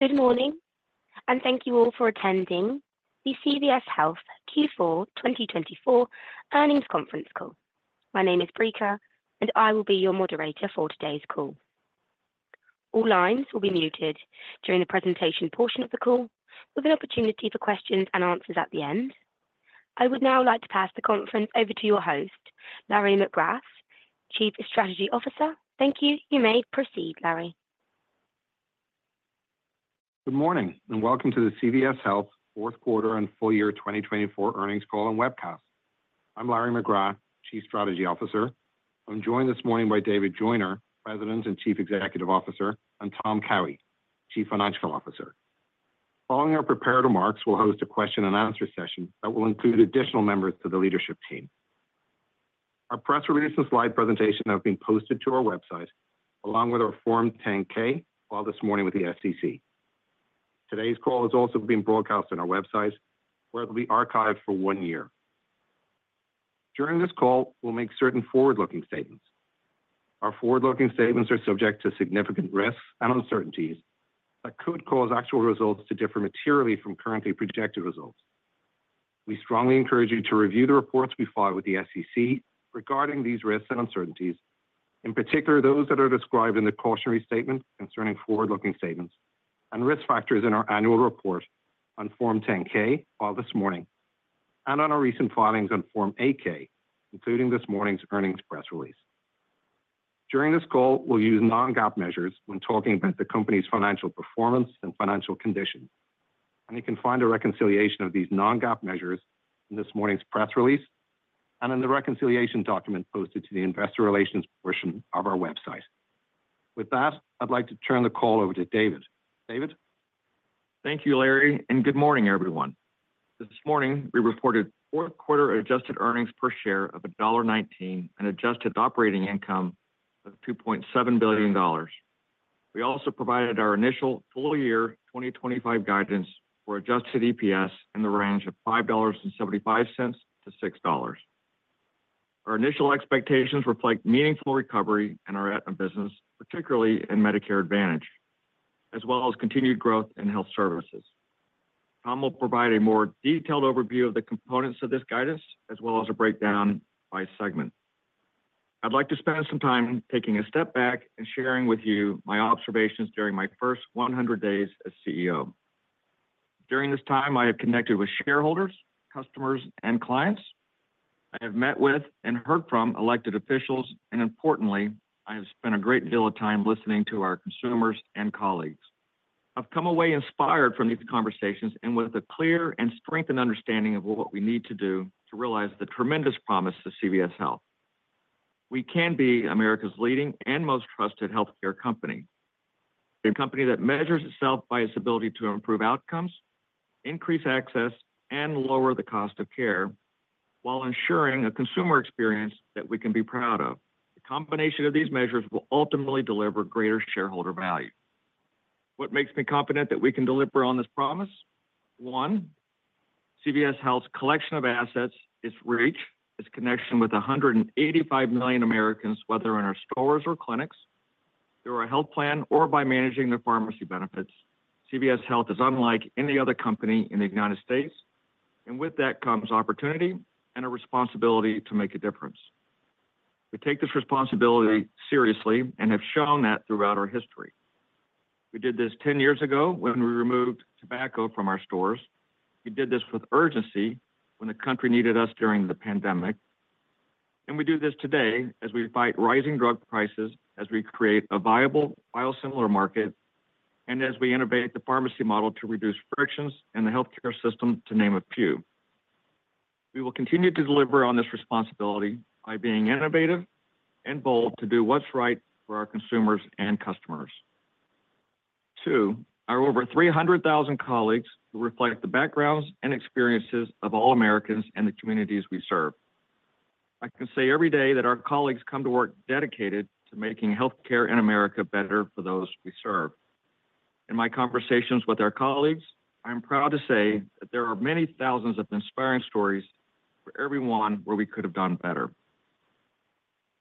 Good morning, and thank you all for attending the CVS Health Q4 2024 earnings conference call. My name is Brinker, and I will be your moderator for today's call. All lines will be muted during the presentation portion of the call, with an opportunity for questions and answers at the end. I would now like to pass the conference over to your host, Larry McGrath, SVP of Business Development and Investor Relations. Thank you. You may proceed, Larry. Good morning, and welcome to the CVS Health Q4 and full year 2024 earnings call and webcast. I'm Larry McGrath, SVP of Business Development and Investor Relations. I'm joined this morning by David Joyner, President and Chief Executive Officer, and Thomas Cowhey, Chief Financial Officer. Following our prepared remarks, we'll host a question-and-answer session that will include additional members to the leadership team. Our press release and slide presentation have been posted to our website, along with our Form 10-K filed this morning with the SEC. Today's call has also been broadcast on our website, where it will be archived for one year. During this call, we'll make certain forward-looking statements. Our forward-looking statements are subject to significant risks and uncertainties that could cause actual results to differ materially from currently projected results. We strongly encourage you to review the reports we file with the SEC regarding these risks and uncertainties, in particular those that are described in the cautionary statement concerning forward-looking statements and risk factors in our annual report on Form 10-K filed this morning, and on our recent filings on Form 8-K, including this morning's earnings press release. During this call, we'll use non-GAAP measures when talking about the company's financial performance and financial condition, and you can find a reconciliation of these non-GAAP measures in this morning's press release and in the reconciliation document posted to the Investor Relations portion of our website. With that, I'd like to turn the call over to David. David? Thank you, Larry, and good morning, everyone. This morning, we reported Q4 adjusted earnings per share of $1.19 and adjusted operating income of $2.7 billion. We also provided our initial full year 2025 guidance for adjusted EPS in the range of $5.75 to $6. Our initial expectations reflect meaningful recovery in our Aetna business, particularly in Medicare Advantage, as well as continued growth in Health Services. Tom will provide a more detailed overview of the components of this guidance, as well as a breakdown by segment. I'd like to spend some time taking a step back and sharing with you my observations during my first 100 days as CEO. During this time, I have connected with shareholders, customers, and clients. I have met with and heard from elected officials, and importantly, I have spent a great deal of time listening to our consumers and colleagues. I've come away inspired from these conversations and with a clear and strengthened understanding of what we need to do to realize the tremendous promise of CVS Health. We can be America's leading and most trusted healthcare company. A company that measures itself by its ability to improve outcomes, increase access, and lower the cost of care, while ensuring a consumer experience that we can be proud of. The combination of these measures will ultimately deliver greater shareholder value. What makes me confident that we can deliver on this promise? One, CVS Health's collection of assets, its reach, its connection with 185 million Americans, whether in our stores or clinics, through our health plan or by managing their pharmacy benefits. CVS Health is unlike any other company in the United States, and with that comes opportunity and a responsibility to make a difference. We take this responsibility seriously and have shown that throughout our history. We did this 10 years ago when we removed tobacco from our stores. We did this with urgency when the country needed us during the pandemic. And we do this today as we fight rising drug prices, as we create a viable, biosimilar market, and as we innovate the pharmacy model to reduce frictions in the healthcare system, to name a few. We will continue to deliver on this responsibility by being innovative and bold to do what's right for our consumers and customers. Two, our over 300,000 colleagues reflect the backgrounds and experiences of all Americans and the communities we serve. I can say every day that our colleagues come to work dedicated to making healthcare in America better for those we serve. In my conversations with our colleagues, I'm proud to say that there are many thousands of inspiring stories for everyone where we could have done better.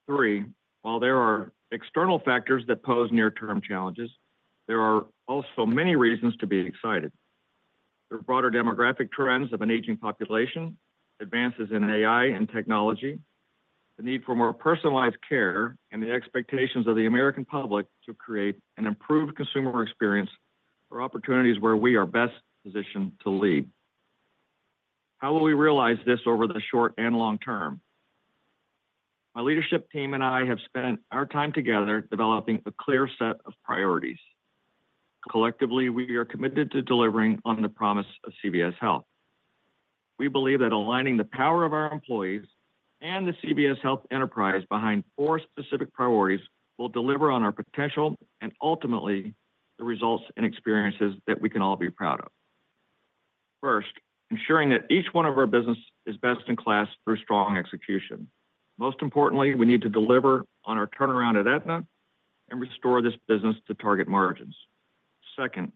Three, while there are external factors that pose near-term challenges, there are also many reasons to be excited. There are broader demographic trends of an aging population, advances in AI and technology, the need for more personalized care, and the expectations of the American public to create an improved consumer experience for opportunities where we are best positioned to lead. How will we realize this over the short and long term? My leadership team and I have spent our time together developing a clear set of priorities. Collectively, we are committed to delivering on the promise of CVS Health. We believe that aligning the power of our employees and the CVS Health enterprise behind four specific priorities will deliver on our potential and ultimately the results and experiences that we can all be proud of. First, ensuring that each one of our businesses is best in class through strong execution. Most importantly, we need to deliver on our turnaround at Aetna and restore this business to target margins. Second,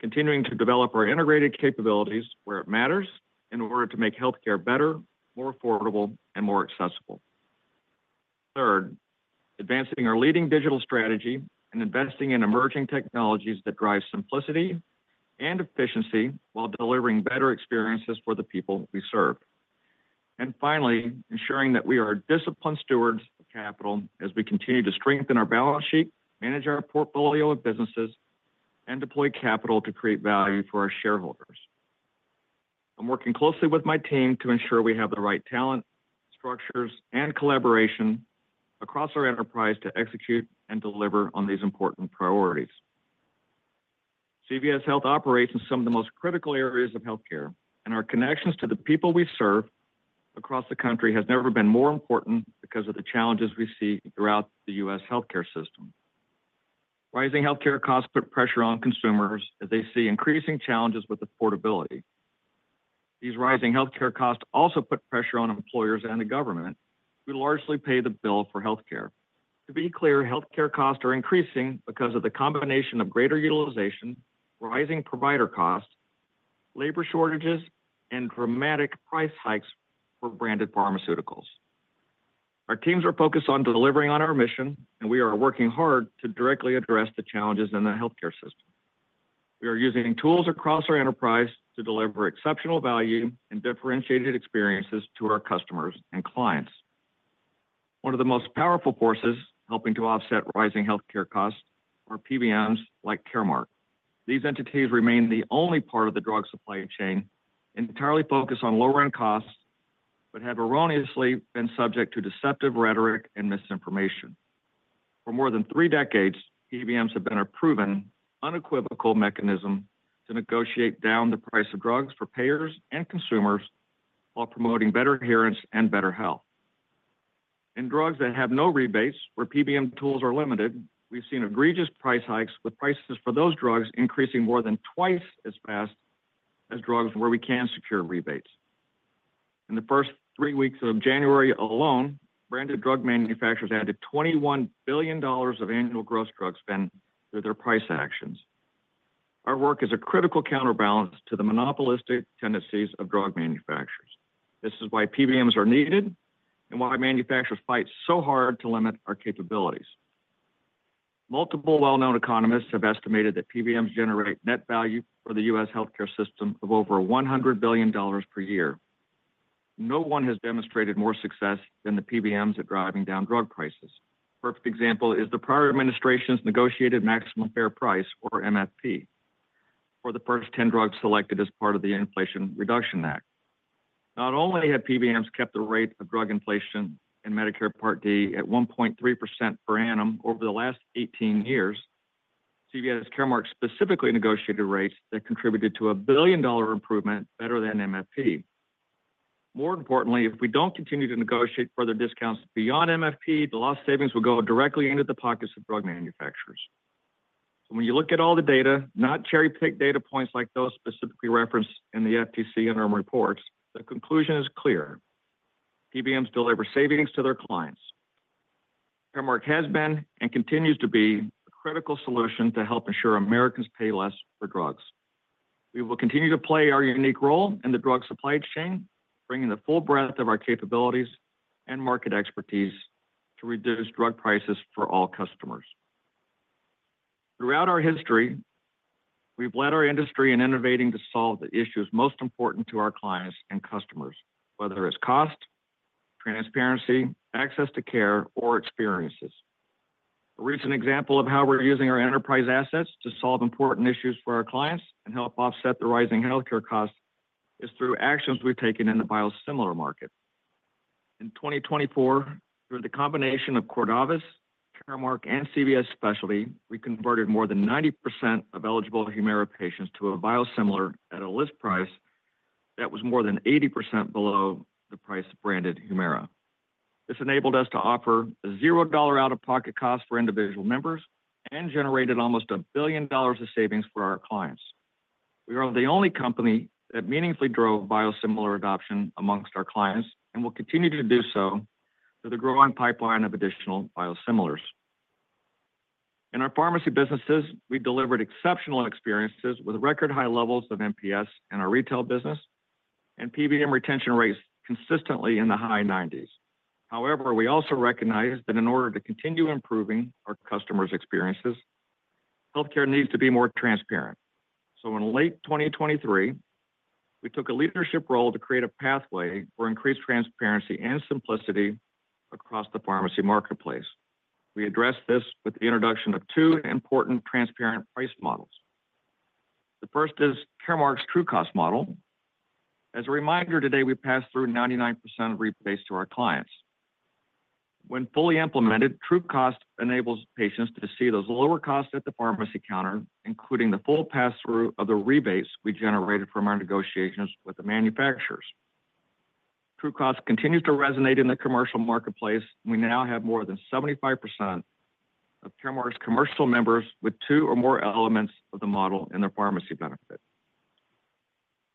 continuing to develop our integrated capabilities where it matters in order to make healthcare better, more affordable, and more accessible. Third, advancing our leading digital strategy and investing in emerging technologies that drive simplicity and efficiency while delivering better experiences for the people we serve, and finally, ensuring that we are disciplined stewards of capital as we continue to strengthen our balance sheet, manage our portfolio of businesses, and deploy capital to create value for our shareholders. I'm working closely with my team to ensure we have the right talent, structures, and collaboration across our enterprise to execute and deliver on these important priorities. CVS Health operates in some of the most critical areas of healthcare, and our connections to the people we serve across the country have never been more important because of the challenges we see throughout the U.S. healthcare system. Rising healthcare costs put pressure on consumers as they see increasing challenges with affordability. These rising healthcare costs also put pressure on employers and the government, who largely pay the bill for healthcare. To be clear, healthcare costs are increasing because of the combination of greater utilization, rising provider costs, labor shortages, and dramatic price hikes for branded pharmaceuticals. Our teams are focused on delivering on our mission, and we are working hard to directly address the challenges in the healthcare system. We are using tools across our enterprise to deliver exceptional value and differentiated experiences to our customers and clients. One of the most powerful forces helping to offset rising healthcare costs are PBMs like Caremark. These entities remain the only part of the drug supply chain entirely focused on lowering costs but have erroneously been subject to deceptive rhetoric and misinformation. For more than three decades, PBMs have been a proven, unequivocal mechanism to negotiate down the price of drugs for payers and consumers while promoting better adherence and better health. In drugs that have no rebates, where PBM tools are limited, we've seen egregious price hikes, with prices for those drugs increasing more than twice as fast as drugs where we can secure rebates. In the first three weeks of January alone, branded drug manufacturers added $21 billion of annual gross drug spend through their price actions. Our work is a critical counterbalance to the monopolistic tendencies of drug manufacturers. This is why PBMs are needed and why manufacturers fight so hard to limit our capabilities. Multiple well-known economists have estimated that PBMs generate net value for the U.S. healthcare system of over $100 billion per year. No one has demonstrated more success than the PBMs at driving down drug prices. A perfect example is the prior administration's negotiated maximum fair price, or MFP, for the first 10 drugs selected as part of the Inflation Reduction Act. Not only have PBMs kept the rate of drug inflation in Medicare Part D at 1.3% per annum over the last 18 years, CVS Caremark specifically negotiated rates that contributed to a $1 billion improvement, better than MFP. More importantly, if we don't continue to negotiate further discounts beyond MFP, the lost savings will go directly into the pockets of drug manufacturers. When you look at all the data, not cherry-pick data points like those specifically referenced in the FTC Interim Reports, the conclusion is clear: PBMs deliver savings to their clients. Caremark has been and continues to be a critical solution to help ensure Americans pay less for drugs. We will continue to play our unique role in the drug supply chain, bringing the full breadth of our capabilities and market expertise to reduce drug prices for all customers. Throughout our history, we've led our industry in innovating to solve the issues most important to our clients and customers, whether it's cost, transparency, access to care, or experiences. A recent example of how we're using our enterprise assets to solve important issues for our clients and help offset the rising healthcare costs is through actions we've taken in the biosimilar market. In 2024, through the combination of Cordavis, Caremark, and CVS Specialty, we converted more than 90% of eligible Humira patients to a biosimilar at a list price that was more than 80% below the price of branded Humira. This enabled us to offer a $0 out-of-pocket cost for individual members and generated almost a billion dollars of savings for our clients. We are the only company that meaningfully drove biosimilar adoption amongst our clients and will continue to do so through the growing pipeline of additional biosimilars. In our pharmacy businesses, we delivered exceptional experiences with record-high levels of NPS in our retail business and PBM retention rates consistently in the high 90s. However, we also recognize that in order to continue improving our customers' experiences, healthcare needs to be more transparent. So, in late 2023, we took a leadership role to create a pathway for increased transparency and simplicity across the pharmacy marketplace. We addressed this with the introduction of two important transparent price models. The first is Caremark's TrueCost model. As a reminder, today we pass through 99% of rebates to our clients. When fully implemented, TrueCost enables patients to see those lower costs at the pharmacy counter, including the full pass-through of the rebates we generated from our negotiations with the manufacturers. TrueCost continues to resonate in the commercial marketplace, and we now have more than 75% of Caremark's commercial members with two or more elements of the model in their pharmacy benefit.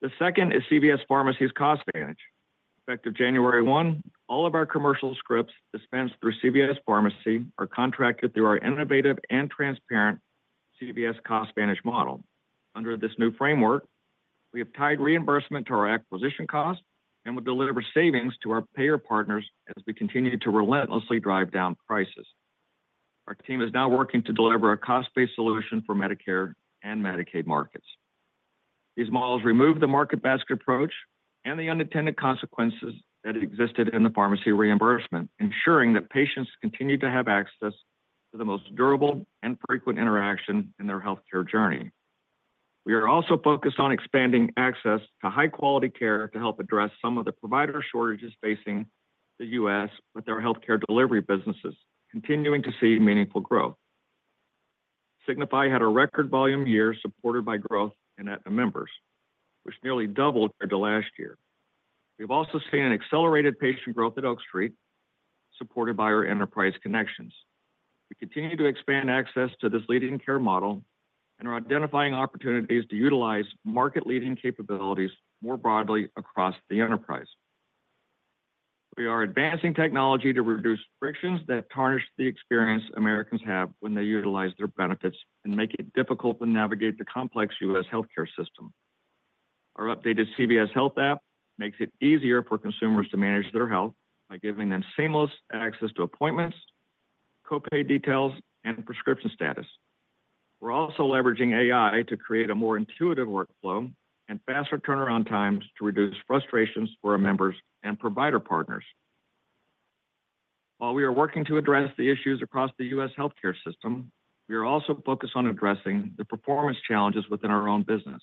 The second is CVS Pharmacy's CostVantage. Effective January 1, all of our commercial scripts dispensed through CVS Pharmacy are contracted through our innovative and transparent CVS CostVantage model. Under this new framework, we have tied reimbursement to our acquisition cost and will deliver savings to our payer partners as we continue to relentlessly drive down prices. Our team is now working to deliver a cost-based solution for Medicare and Medicaid markets. These models remove the market basket approach and the unintended consequences that existed in the pharmacy reimbursement, ensuring that patients continue to have access to the most durable and frequent interaction in their healthcare journey. We are also focused on expanding access to high-quality care to help address some of the provider shortages facing the U.S. with our healthcare delivery businesses, continuing to see meaningful growth. Signify had a record volume year supported by growth in Aetna members, which nearly doubled compared to last year. We've also seen an accelerated patient growth at Oak Street, supported by our enterprise connections. We continue to expand access to this leading care model and are identifying opportunities to utilize market-leading capabilities more broadly across the enterprise. We are advancing technology to reduce frictions that tarnish the experience Americans have when they utilize their benefits and make it difficult to navigate the complex U.S. healthcare system. Our updated CVS Health app makes it easier for consumers to manage their health by giving them seamless access to appointments, copay details, and prescription status. We're also leveraging AI to create a more intuitive workflow and faster turnaround times to reduce frustrations for our members and provider partners. While we are working to address the issues across the U.S. Healthcare system, we are also focused on addressing the performance challenges within our own business.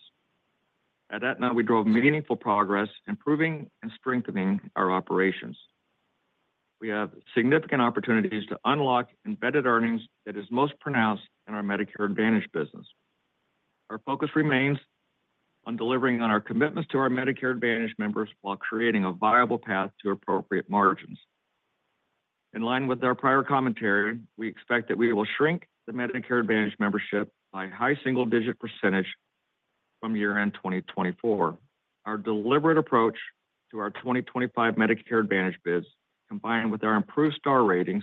At Aetna, we drove meaningful progress, improving and strengthening our operations. We have significant opportunities to unlock embedded earnings that are most pronounced in our Medicare Advantage business. Our focus remains on delivering on our commitments to our Medicare Advantage members while creating a viable path to appropriate margins. In line with our prior commentary, we expect that we will shrink the Medicare Advantage membership by a high single-digit percentage from year-end 2024. Our deliberate approach to our 2025 Medicare Advantage bids, combined with our improved Star Ratings,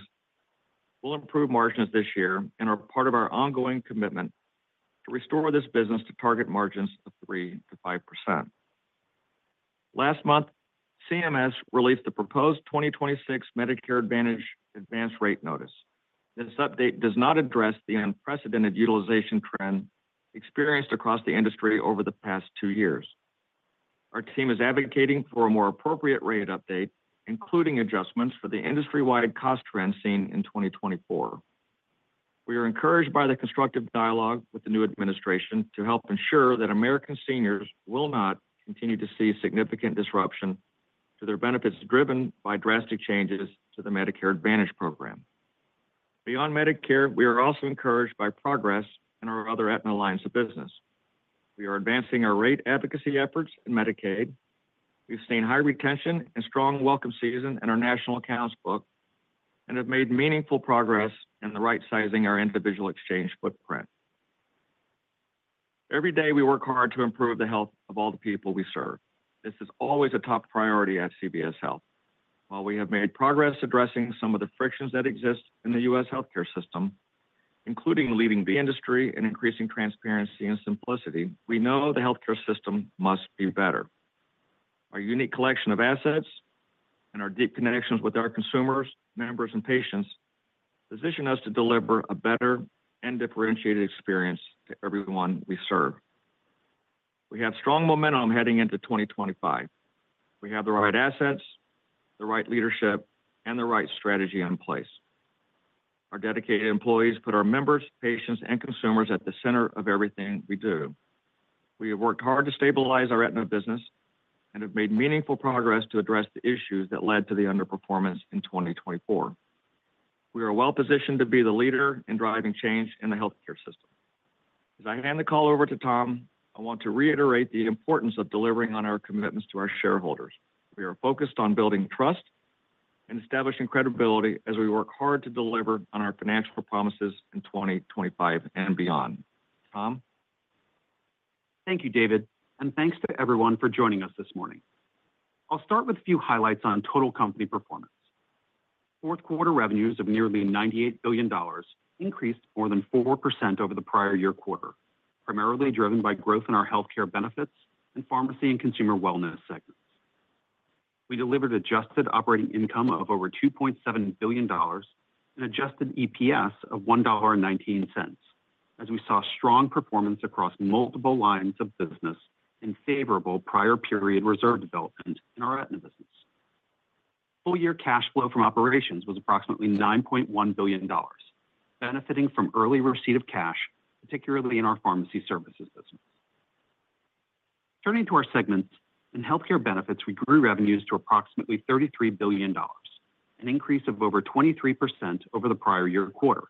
will improve margins this year and are part of our ongoing commitment to restore this business to target margins of 3% to 5%. Last month, CMS released the proposed 2026 Medicare Advantage Advance Rate Notice. This update does not address the unprecedented utilization trend experienced across the industry over the past two years. Our team is advocating for a more appropriate rate update, including adjustments for the industry-wide cost trend seen in 2024. We are encouraged by the constructive dialogue with the new administration to help ensure that American seniors will not continue to see significant disruption to their benefits driven by drastic changes to the Medicare Advantage program. Beyond Medicare, we are also encouraged by progress in our other Aetna lines of business. We are advancing our rate advocacy efforts in Medicaid. We've seen high retention and strong welcome season in our national accounts book and have made meaningful progress in the right-sizing of our Individual Exchange footprint. Every day, we work hard to improve the health of all the people we serve. This is always a top priority at CVS Health. While we have made progress addressing some of the frictions that exist in the U.S. healthcare system, including leading the industry and increasing transparency and simplicity, we know the healthcare system must be better. Our unique collection of assets and our deep connections with our consumers, members, and patients position us to deliver a better and differentiated experience to everyone we serve. We have strong momentum heading into 2025. We have the right assets, the right leadership, and the right strategy in place. Our dedicated employees put our members, patients, and consumers at the center of everything we do. We have worked hard to stabilize our Aetna business and have made meaningful progress to address the issues that led to the underperformance in 2024. We are well-positioned to be the leader in driving change in the healthcare system. As I hand the call over to Tom, I want to reiterate the importance of delivering on our commitments to our shareholders. We are focused on building trust and establishing credibility as we work hard to deliver on our financial promises in 2025 and beyond. Tom? Thank you, David, and thanks to everyone for joining us this morning. I'll start with a few highlights on total company performance. Fourth-quarter revenues of nearly $98 billion increased more than 4% over the prior year quarter, primarily driven by growth in our Health Care Benefits and Pharmacy & Consumer Wellness segments. We delivered adjusted operating income of over $2.7 billion and adjusted EPS of $1.19, as we saw strong performance across multiple lines of business and favorable prior-period reserve development in our Aetna business. Full-year cash flow from operations was approximately $9.1 billion, benefiting from early receipt of cash, particularly in our pharmacy services business. Turning to our segments, in Health Care Benefits, we grew revenues to approximately $33 billion, an increase of over 23% over the prior year quarter,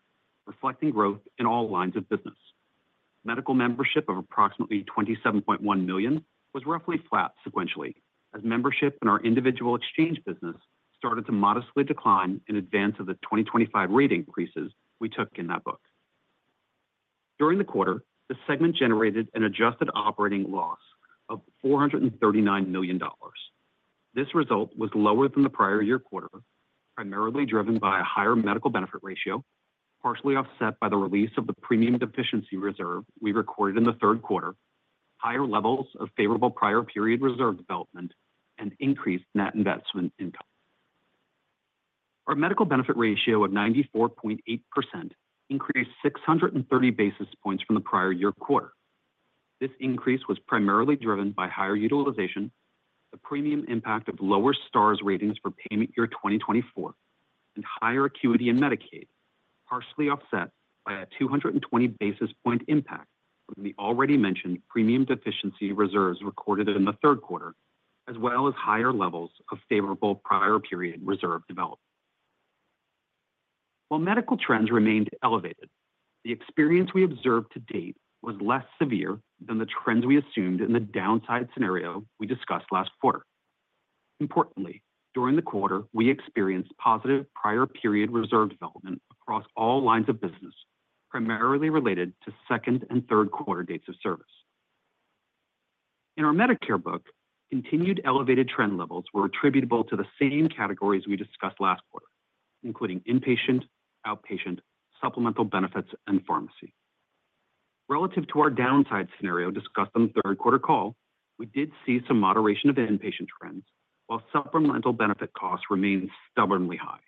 reflecting growth in all lines of business. Medical membership of approximately 27.1 million was roughly flat sequentially, as membership in our Individual Exchange business started to modestly decline in advance of the 2025 rate increases we took in that book. During the quarter, the segment generated an adjusted operating loss of $439 million. This result was lower than the prior year quarter, primarily driven by a higher medical benefit ratio, partially offset by the release of the premium deficiency reserve we recorded in the third quarter, higher levels of favorable prior-period reserve development, and increased net investment income. Our medical benefit ratio of 94.8% increased 630 bps from the prior year quarter. This increase was primarily driven by higher utilization, the premium impact of lower Star Ratings for payment year 2024, and higher acuity in Medicaid, partially offset by a 220 bp impact from the already mentioned premium deficiency reserves recorded in the third quarter, as well as higher levels of favorable prior-period reserve development. While medical trends remained elevated, the experience we observed to date was less severe than the trends we assumed in the downside scenario we discussed last quarter. Importantly, during the quarter, we experienced positive prior-period reserve development across all lines of business, primarily related to second and third quarter dates of service. In our Medicare book, continued elevated trend levels were attributable to the same categories we discussed last quarter, including inpatient, outpatient, supplemental benefits, and pharmacy. Relative to our downside scenario discussed in the third-quarter call, we did see some moderation of inpatient trends, while supplemental benefit costs remained stubbornly high.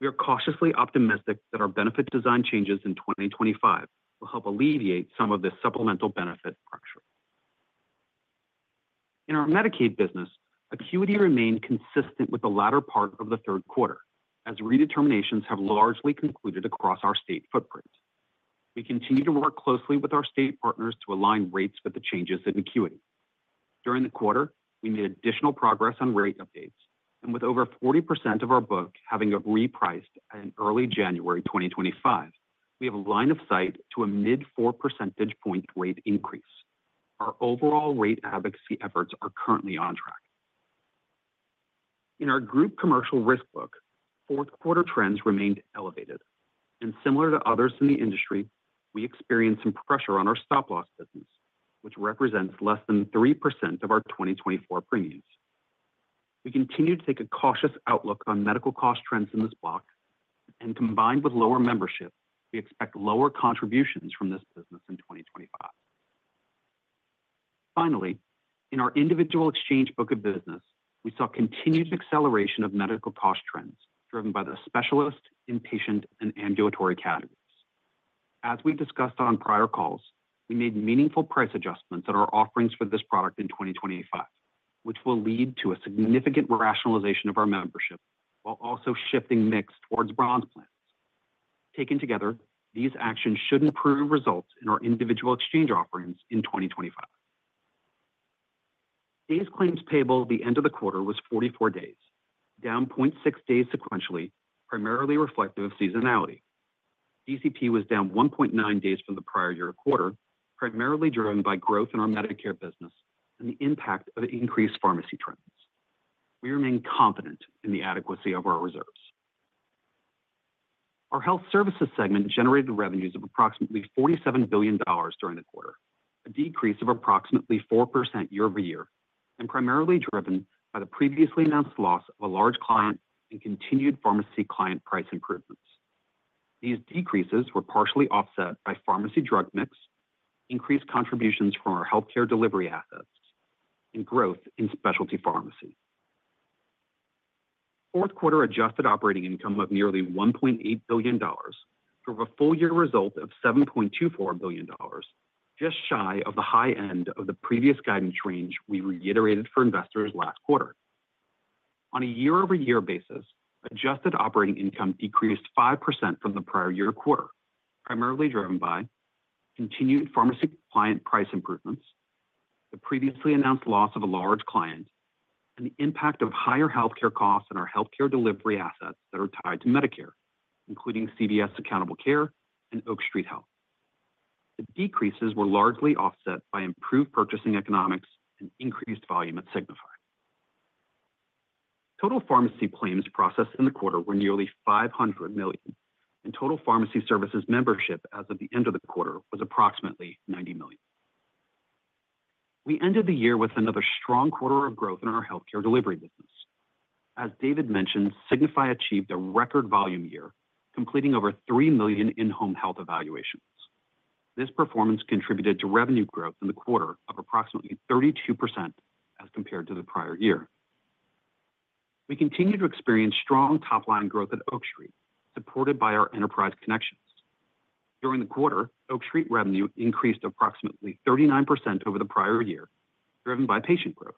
We are cautiously optimistic that our benefit design changes in 2025 will help alleviate some of this supplemental benefit pressure. In our Medicaid business, acuity remained consistent with the latter part of the third quarter, as redeterminations have largely concluded across our state footprint. We continue to work closely with our state partners to align rates with the changes in acuity. During the quarter, we made additional progress on rate updates, and with over 40% of our book having been repriced in early January 2025, we have a line of sight to a mid-four percentage point rate increase. Our overall rate advocacy efforts are currently on track. In our Group Commercial risk book, fourth-quarter trends remained elevated, and similar to others in the industry, we experienced some pressure on our stop-loss business, which represents less than 3% of our 2024 premiums. We continue to take a cautious outlook on medical cost trends in this block, and combined with lower membership, we expect lower contributions from this business in 2025. Finally, in our Individual Exchange book of business, we saw continued acceleration of medical cost trends driven by the specialist, inpatient, and ambulatory categories. As we've discussed on prior calls, we made meaningful price adjustments in our offerings for this product in 2025, which will lead to a significant rationalization of our membership while also shifting mix towards bronze plans. Taken together, these actions should improve results in our Individual Exchange offerings in 2025. Today's claims payable at the end of the quarter was 44 days, down 0.6 days sequentially, primarily reflective of seasonality. DCP was down 1.9 days from the prior year quarter, primarily driven by growth in our Medicare business and the impact of increased pharmacy trends. We remain confident in the adequacy of our reserves. Our Health Services segment generated revenues of approximately $47 billion during the quarter, a decrease of approximately 4% year-over-year, and primarily driven by the previously announced loss of a large client and continued pharmacy client price improvements. These decreases were partially offset by pharmacy drug mix, increased contributions from our healthcare delivery assets, and growth in specialty pharmacy. Fourth-quarter adjusted operating income of nearly $1.8 billion drove a full-year result of $7.24 billion, just shy of the high end of the previous guidance range we reiterated for investors last quarter. On a year-over-year basis, Adjusted Operating Income decreased 5% from the prior year quarter, primarily driven by continued pharmacy client price improvements, the previously announced loss of a large client, and the impact of higher healthcare costs on our healthcare delivery assets that are tied to Medicare, including CVS Accountable Care and Oak Street Health. The decreases were largely offset by improved purchasing economics and increased volume at Signify. Total pharmacy claims processed in the quarter were nearly 500 million, and total pharmacy services membership as of the end of the quarter was approximately 90 million. We ended the year with another strong quarter of growth in our healthcare delivery business. As David mentioned, Signify achieved a record volume year, completing over three million in-home health evaluations. This performance contributed to revenue growth in the quarter of approximately 32% as compared to the prior year. We continue to experience strong top-line growth at Oak Street, supported by our enterprise connections. During the quarter, Oak Street revenue increased approximately 39% over the prior year, driven by patient growth.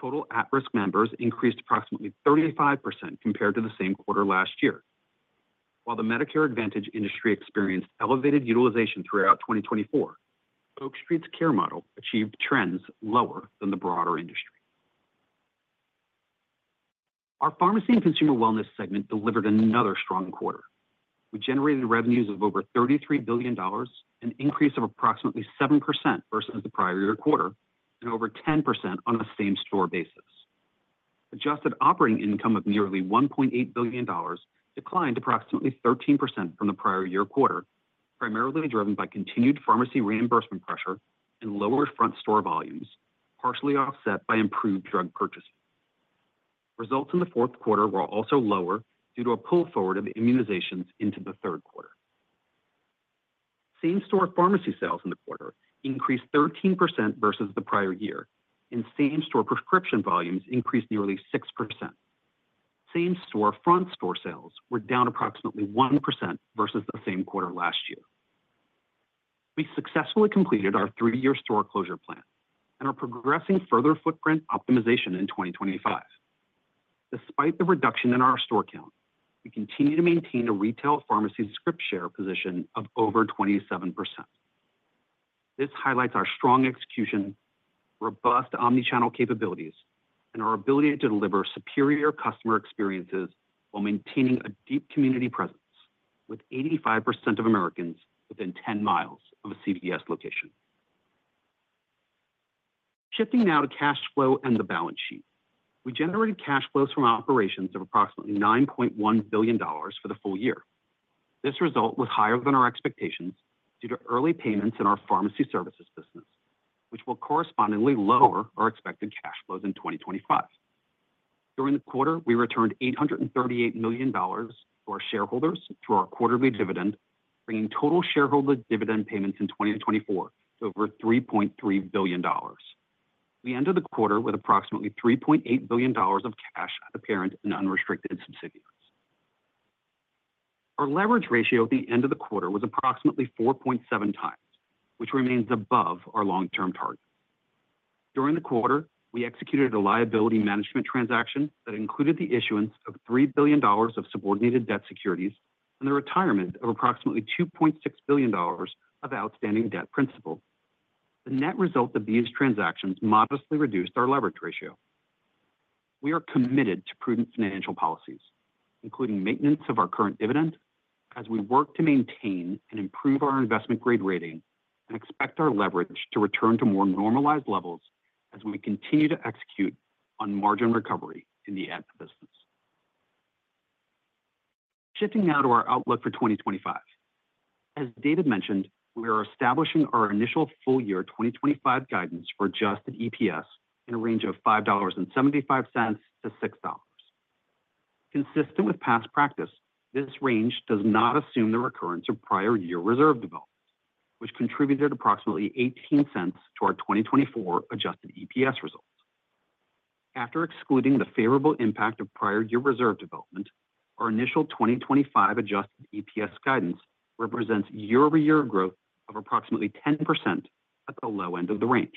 Total at-risk members increased approximately 35% compared to the same quarter last year. While the Medicare Advantage industry experienced elevated utilization throughout 2024, Oak Street's care model achieved trends lower than the broader industry. Our Pharmacy & Consumer Wellness segment delivered another strong quarter. We generated revenues of over $33 billion, an increase of approximately 7% versus the prior year quarter, and over 10% on a same-store basis. Adjusted operating income of nearly $1.8 billion declined approximately 13% from the prior year quarter, primarily driven by continued pharmacy reimbursement pressure and lower front-store volumes, partially offset by improved drug purchasing. Results in the fourth quarter were also lower due to a pull forward of immunizations into the third quarter. Same-store pharmacy sales in the quarter increased 13% versus the prior year, and same-store prescription volumes increased nearly 6%. Same-store front-store sales were down approximately 1% versus the same quarter last year. We successfully completed our three-year store closure plan and are progressing further footprint optimization in 2025. Despite the reduction in our store count, we continue to maintain a retail pharmacy scripts share position of over 27%. This highlights our strong execution, robust omnichannel capabilities, and our ability to deliver superior customer experiences while maintaining a deep community presence, with 85% of Americans within 10 miles of a CVS location. Shifting now to cash flow and the balance sheet, we generated cash flows from operations of approximately $9.1 billion for the full year. This result was higher than our expectations due to early payments in our pharmacy services business, which will correspondingly lower our expected cash flows in 2025. During the quarter, we returned $838 million to our shareholders through our quarterly dividend, bringing total shareholder dividend payments in 2024 to over $3.3 billion. We ended the quarter with approximately $3.8 billion of cash and cash equivalents in unrestricted subsidiaries. Our leverage ratio at the end of the quarter was approximately 4.7 times, which remains above our long-term target. During the quarter, we executed a liability management transaction that included the issuance of $3 billion of subordinated debt securities and the retirement of approximately $2.6 billion of outstanding debt principal. The net result of these transactions modestly reduced our leverage ratio. We are committed to prudent financial policies, including maintenance of our current dividend, as we work to maintain and improve our investment-grade rating and expect our leverage to return to more normalized levels as we continue to execute on margin recovery in the Aetna business. Shifting now to our outlook for 2025. As David mentioned, we are establishing our initial full-year 2025 guidance for adjusted EPS in a range of $5.75 to $6. Consistent with past practice, this range does not assume the recurrence of prior-year reserve development, which contributed approximately $0.18 to our 2024 adjusted EPS result. After excluding the favorable impact of prior-year reserve development, our initial 2025 adjusted EPS guidance represents year-over-year growth of approximately 10% at the low end of the range.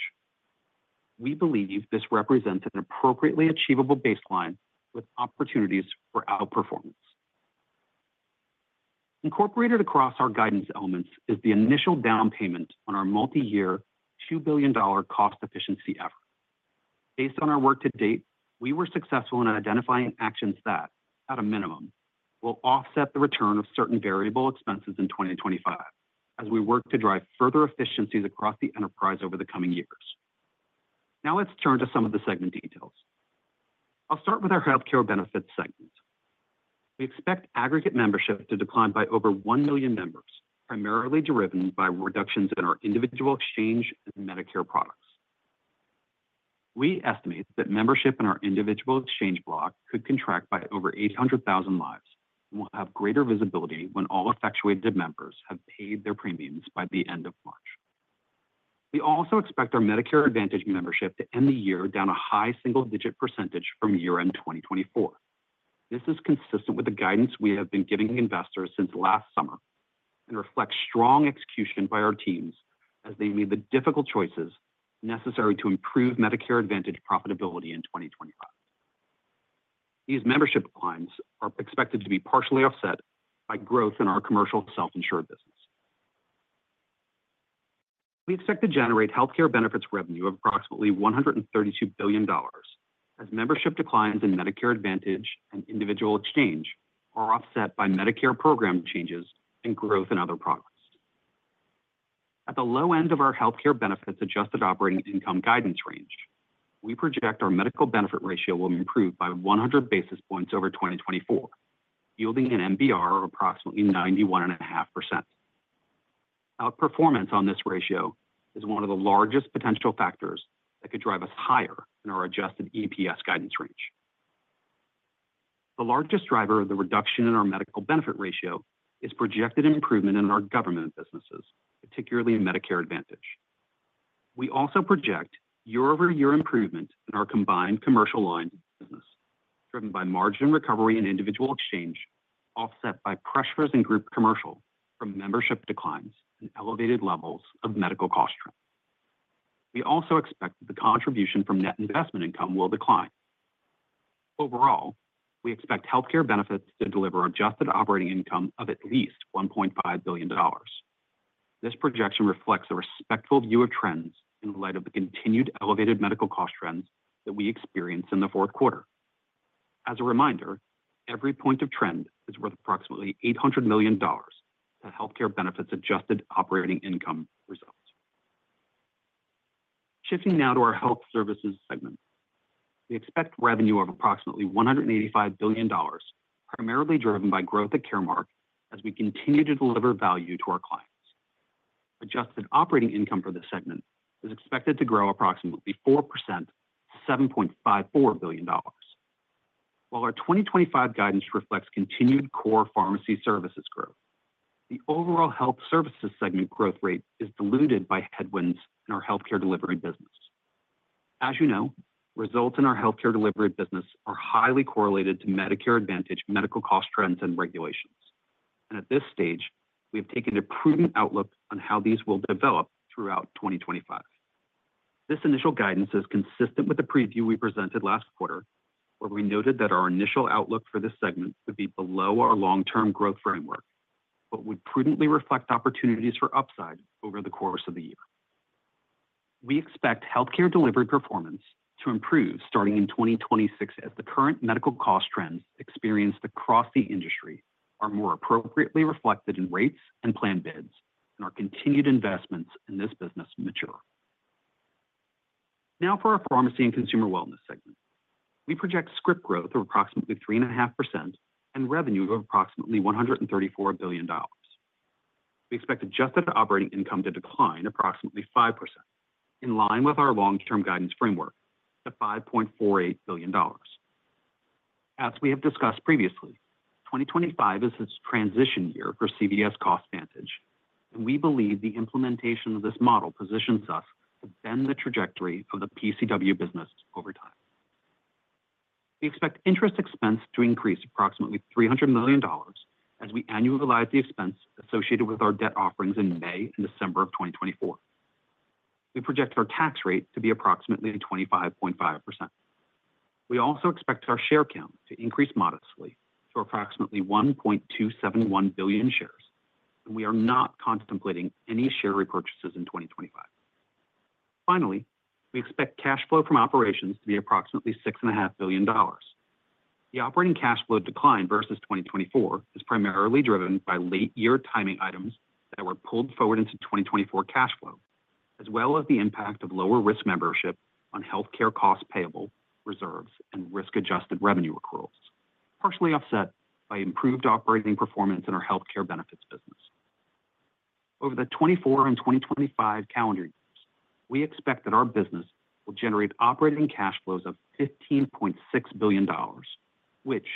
We believe this represents an appropriately achievable baseline with opportunities for outperformance. Incorporated across our guidance elements is the initial down payment on our multi-year $2 billion cost efficiency effort. Based on our work to date, we were successful in identifying actions that, at a minimum, will offset the return of certain variable expenses in 2025 as we work to drive further efficiencies across the enterprise over the coming years. Now let's turn to some of the segment details. I'll start with our Health Care Benefits segment. We expect aggregate membership to decline by over one million members, primarily driven by reductions in our Individual Exchange and Medicare products. We estimate that membership in our Individual Exchange block could contract by over 800,000 lives and will have greater visibility when all effectuated members have paid their premiums by the end of March. We also expect our Medicare Advantage membership to end the year down a high single-digit percentage from year-end 2024. This is consistent with the guidance we have been giving investors since last summer and reflects strong execution by our teams as they made the difficult choices necessary to improve Medicare Advantage profitability in 2025. These membership declines are expected to be partially offset by growth in our commercial self-insured business. We expect to generate Health Care Benefits revenue of approximately $132 billion as membership declines in Medicare Advantage and Individual Exchange are offset by Medicare program changes and growth in other products. At the low end of our Health Care Benefits adjusted operating income guidance range, we project our medical benefit ratio will improve by 100 bps over 2024, yielding an MBR of approximately 91.5%. Outperformance on this ratio is one of the largest potential factors that could drive us higher in our adjusted EPS guidance range. The largest driver of the reduction in our Medical Benefit Ratio is projected improvement in our government businesses, particularly Medicare Advantage. We also project year-over-year improvement in our combined commercial line business, driven by margin recovery and Individual Exchange, offset by pressures in Group Commercial from membership declines and elevated levels of medical cost trends. We also expect that the contribution from net investment income will decline. Overall, we expect Health Care Benefits to deliver Adjusted Operating Income of at least $1.5 billion. This projection reflects a respectful view of trends in light of the continued elevated medical cost trends that we experienced in the fourth quarter. As a reminder, every point of trend is worth approximately $800 million to Health Care Benefits Adjusted Operating Income results. Shifting now to our Health Services segment, we expect revenue of approximately $185 billion, primarily driven by growth at Caremark as we continue to deliver value to our clients. Adjusted operating income for the segment is expected to grow approximately 4% to $7.54 billion. While our 2025 guidance reflects continued core pharmacy services growth, the overall Health Services segment growth rate is diluted by headwinds in our healthcare delivery business. As you know, results in our healthcare delivery business are highly correlated to Medicare Advantage medical cost trends and regulations, and at this stage, we have taken a prudent outlook on how these will develop throughout 2025. This initial guidance is consistent with the preview we presented last quarter, where we noted that our initial outlook for this segment would be below our long-term growth framework, but would prudently reflect opportunities for upside over the course of the year. We expect healthcare delivery performance to improve starting in 2026 as the current medical cost trends experienced across the industry are more appropriately reflected in rates and planned bids, and our continued investments in this business mature. Now for our Pharmacy & Consumer Wellness segment. We project script growth of approximately 3.5% and revenue of approximately $134 billion. We expect adjusted operating income to decline approximately 5%, in line with our long-term guidance framework to $5.48 billion. As we have discussed previously, 2025 is a transition year for CVS CostVantage, and we believe the implementation of this model positions us to bend the trajectory of the PCW business over time. We expect interest expense to increase approximately $300 million as we annualize the expense associated with our debt offerings in May and December of 2024. We project our tax rate to be approximately 25.5%. We also expect our share count to increase modestly to approximately 1.271 billion shares, and we are not contemplating any share repurchases in 2025. Finally, we expect cash flow from operations to be approximately $6.5 billion. The operating cash flow decline versus 2024 is primarily driven by late-year timing items that were pulled forward into 2024 cash flow, as well as the impact of lower-risk membership on healthcare cost payable, reserves, and risk-adjusted revenue accruals, partially offset by improved operating performance in our Health Care Benefits business. Over the 2024 and 2025 calendar years, we expect that our business will generate operating cash flows of $15.6 billion, which,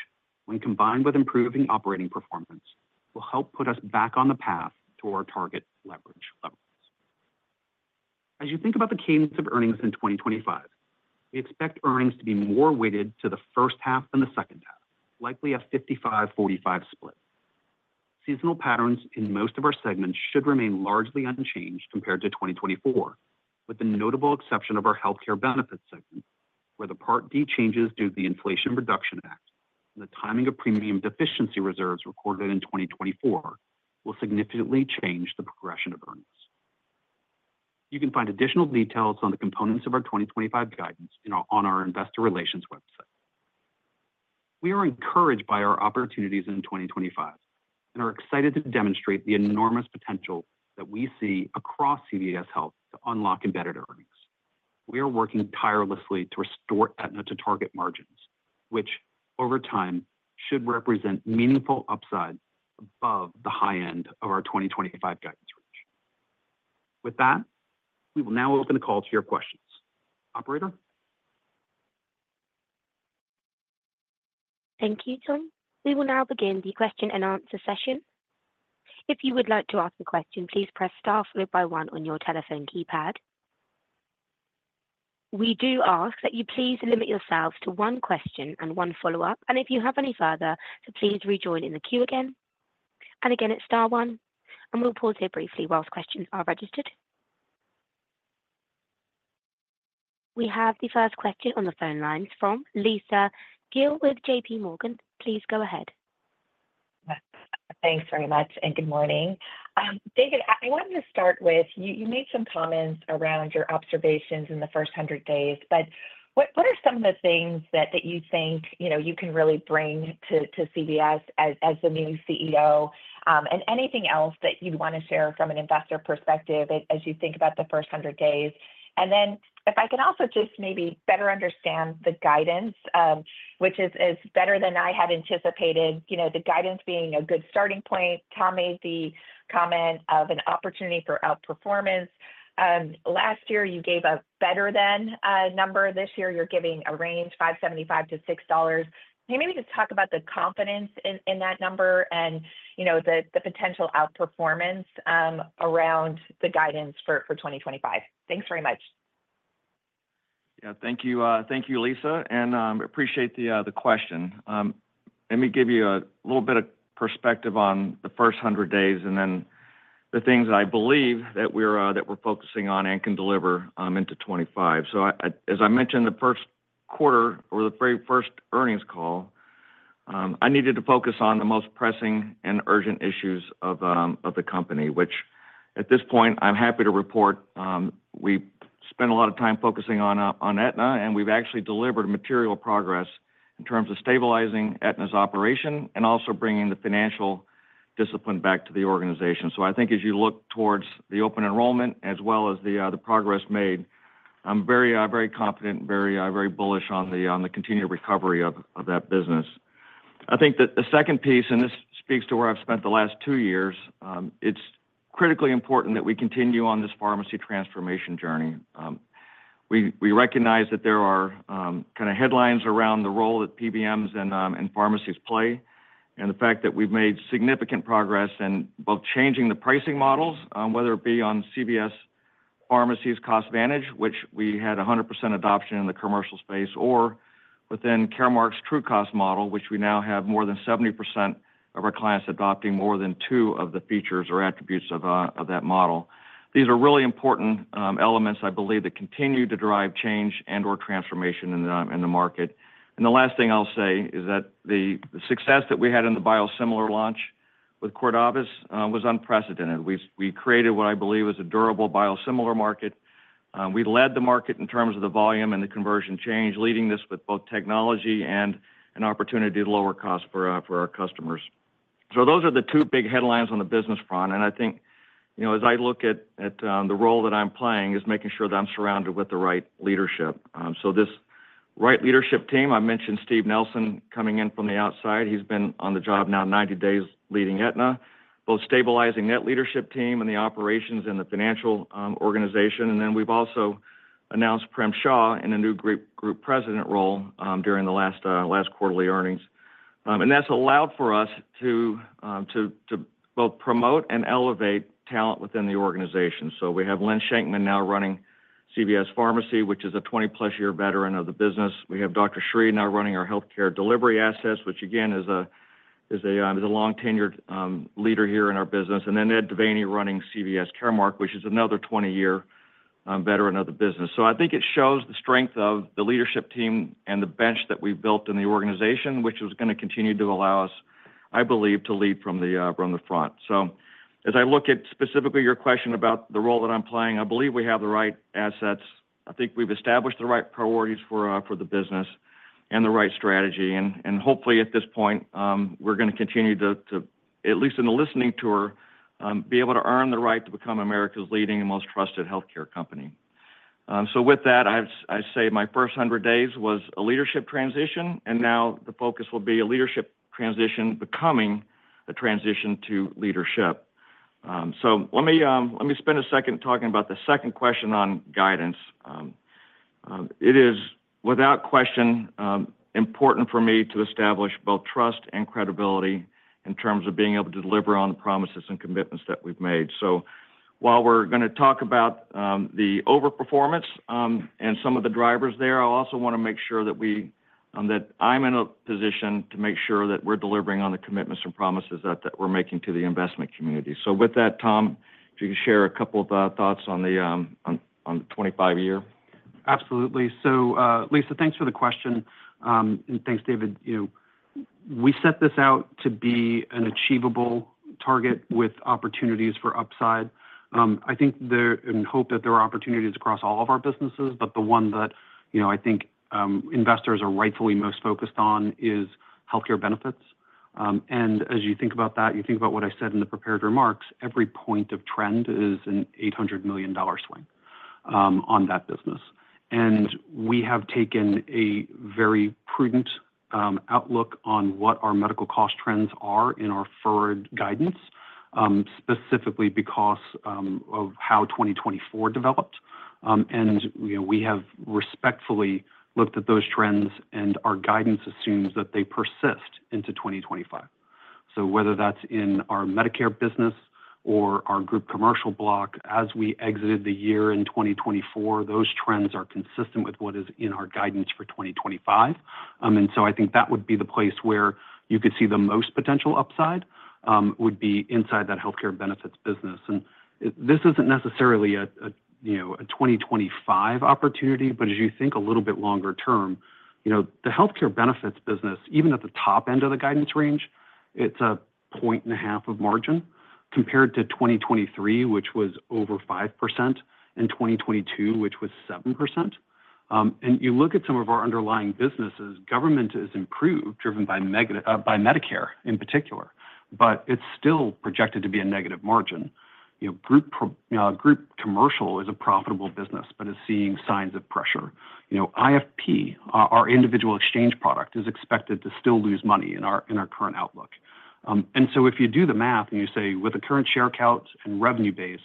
when combined with improving operating performance, will help put us back on the path to our target leverage levels. As you think about the cadence of earnings in 2025, we expect earnings to be more weighted to the first half than the second half, likely a 55, 45 split. Seasonal patterns in most of our segments should remain largely unchanged compared to 2024, with the notable exception of our Health Care Benefits segment, where the Part D changes due to the Inflation Reduction Act and the timing of premium deficiency reserves recorded in 2024 will significantly change the progression of earnings. You can find additional details on the components of our 2025 guidance on our investor relations website. We are encouraged by our opportunities in 2025 and are excited to demonstrate the enormous potential that we see across CVS Health to unlock embedded earnings. We are working tirelessly to restore Aetna to target margins, which, over time, should represent meaningful upside above the high end of our 2025 guidance range. With that, we will now open the call to your questions. Operator? Thank you, Tom. We will now begin the question and answer session. If you would like to ask a question, please press star followed by one on your telephone keypad. We do ask that you please limit yourselves to one question and one follow-up, and if you have any further, please rejoin in the queue again. And again, it's star one, and we'll pause here briefly whilst questions are registered. We have the first question on the phone lines from Lisa Gill with J.P. Morgan. Please go ahead. Thanks very much and good morning. David, I wanted to start with you made some comments around your observations in the first 100 days, but what are some of the things that you think you can really bring to CVS as the new CEO, and anything else that you'd want to share from an investor perspective as you think about the first 100 days? And then if I can also just maybe better understand the guidance, which is better than I had anticipated, the guidance being a good starting point. Tom made the comment of an opportunity for outperformance. Last year, you gave a better-than number. This year, you're giving a range of $575-$6. Can you maybe just talk about the confidence in that number and the potential outperformance around the guidance for 2025? Thanks very much. Yeah, thank you, Lisa, and I appreciate the question. Let me give you a little bit of perspective on the first 100 days and then the things that I believe that we're focusing on and can deliver into 2025. So as I mentioned, the first quarter or the very first earnings call, I needed to focus on the most pressing and urgent issues of the company, which at this point, I'm happy to report we spent a lot of time focusing on Aetna, and we've actually delivered material progress in terms of stabilizing Aetna's operation and also bringing the financial discipline back to the organization. So I think as you look towards the open enrollment as well as the progress made, I'm very confident and very bullish on the continued recovery of that business. I think that the second piece, and this speaks to where I've spent the last two years, it's critically important that we continue on this pharmacy transformation journey. We recognize that there are kind of headlines around the role that PBMs and pharmacies play and the fact that we've made significant progress in both changing the pricing models, whether it be on CVS Pharmacy's CostVantage, which we had 100% adoption in the commercial space, or within CVS Caremark's TrueCost model, which we now have more than 70% of our clients adopting more than two of the features or attributes of that model. These are really important elements, I believe, that continue to drive change and/or transformation in the market. And the last thing I'll say is that the success that we had in the biosimilar launch with Cordavis was unprecedented. We created what I believe is a durable biosimilar market. We led the market in terms of the volume and the conversion change, leading this with both technology and an opportunity to lower cost for our customers. So those are the two big headlines on the business front, and I think as I look at the role that I'm playing, it's making sure that I'm surrounded with the right leadership. So this right leadership team, I mentioned Steve Nelson coming in from the outside. He's been on the job now 90 days leading Aetna, both stabilizing that leadership team and the operations and the financial organization. And then we've also announced Prem Shah in a new group president role during the last quarterly earnings. And that's allowed for us to both promote and elevate talent within the organization. So we have Lynn Shankman now running CVS Pharmacy, which is a 20+-year veteran of the business. We have Dr. Sree now running our healthcare delivery assets, which again is a long-tenured leader here in our business. And then Ed DeVanney running CVS Caremark, which is another 20-year veteran of the business. So I think it shows the strength of the leadership team and the bench that we've built in the organization, which is going to continue to allow us, I believe, to lead from the front. So as I look at specifically your question about the role that I'm playing, I believe we have the right assets. I think we've established the right priorities for the business and the right strategy. Hopefully, at this point, we're going to continue to, at least in the listening tour, be able to earn the right to become America's leading and most trusted healthcare company. With that, I say my first 100 days was a leadership transition, and now the focus will be a leadership transition becoming a transition to leadership. Let me spend a second talking about the second question on guidance. It is, without question, important for me to establish both trust and credibility in terms of being able to deliver on the promises and commitments that we've made. While we're going to talk about the overperformance and some of the drivers there, I also want to make sure that I'm in a position to make sure that we're delivering on the commitments and promises that we're making to the investment community. So with that, Tom, if you can share a couple of thoughts on the 2025. Absolutely. Lisa, thanks for the question, and thanks, David. We set this out to be an achievable target with opportunities for upside. I think and hope that there are opportunities across all of our businesses, but the one that I think investors are rightfully most focused on is Health Care Benefits. And as you think about that, you think about what I said in the prepared remarks, every point of trend is an $800 million swing on that business. And we have taken a very prudent outlook on what our medical cost trends are in our 2025 guidance, specifically because of how 2024 developed. And we have respectfully looked at those trends, and our guidance assumes that they persist into 2025. So whether that's in our Medicare business or our Group Commercial block, as we exited the year in 2024, those trends are consistent with what is in our guidance for 2025. And so I think that would be the place where you could see the most potential upside would be inside that Health Care Benefits business. And this isn't necessarily a 2025 opportunity, but as you think a little bit longer term, the Health Care Benefits business, even at the top end of the guidance range, it's a point and a half of margin compared to 2023, which was over 5%, and 2022, which was 7%. And you look at some of our underlying businesses, government is improved, driven by Medicare in particular, but it's still projected to be a negative margin. Group Commercial is a profitable business, but is seeing signs of pressure. IFP, our Individual Exchange product, is expected to still lose money in our current outlook. And so if you do the math and you say, with the current share count and revenue base,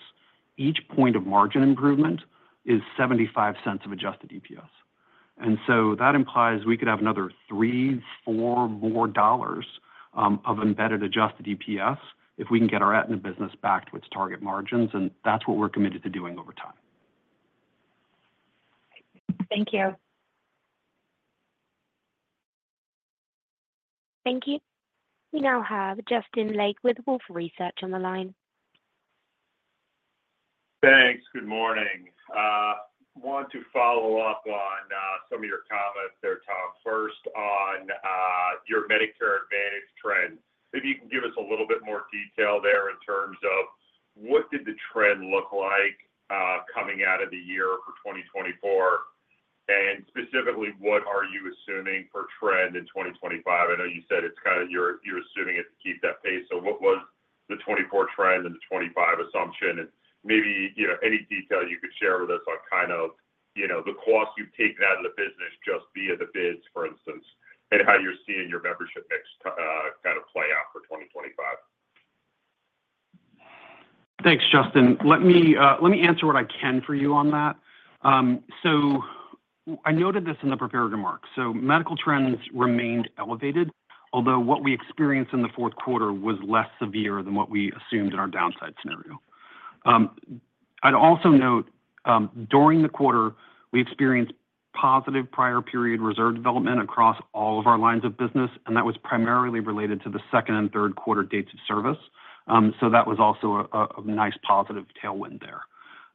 each point of margin improvement is $0.75 of adjusted EPS. And so that implies we could have another $3, $4 more dollars of embedded adjusted EPS if we can get our Aetna business back to its target margins, and that's what we're committed to doing over time. Thank you. Thank you. We now have Justin Lake with Wolfe Research on the line. Thanks. Good morning. I want to follow up on some of your comments there, Tom, first on your Medicare Advantage trend. Maybe you can give us a little bit more detail there in terms of what did the trend look like coming out of the year for 2024, and specifically, what are you assuming for trend in 2025? I know you said it's kind of you're assuming it to keep that pace. So what was the 2024 trend and the 2025 assumption? And maybe any detail you could share with us on kind of the cost you've taken out of the business just via the bids, for instance, and how you're seeing your membership mix kind of play out for 2025. Thanks, Justin. Let me answer what I can for you on that. So I noted this in the prepared remarks. So medical trends remained elevated, although what we experienced in the fourth quarter was less severe than what we assumed in our downside scenario. I'd also note during the quarter, we experienced positive prior period reserve development across all of our lines of business, and that was primarily related to the second and third quarter dates of service. So that was also a nice positive tailwind there.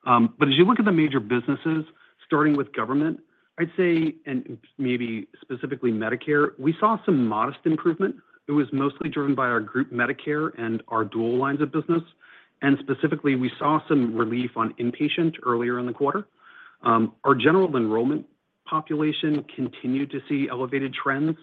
But as you look at the major businesses, starting with government, I'd say, and maybe specifically Medicare, we saw some modest improvement. It was mostly driven by our group Medicare and our dual lines of business. And specifically, we saw some relief on inpatient earlier in the quarter. Our general enrollment population continued to see elevated trends,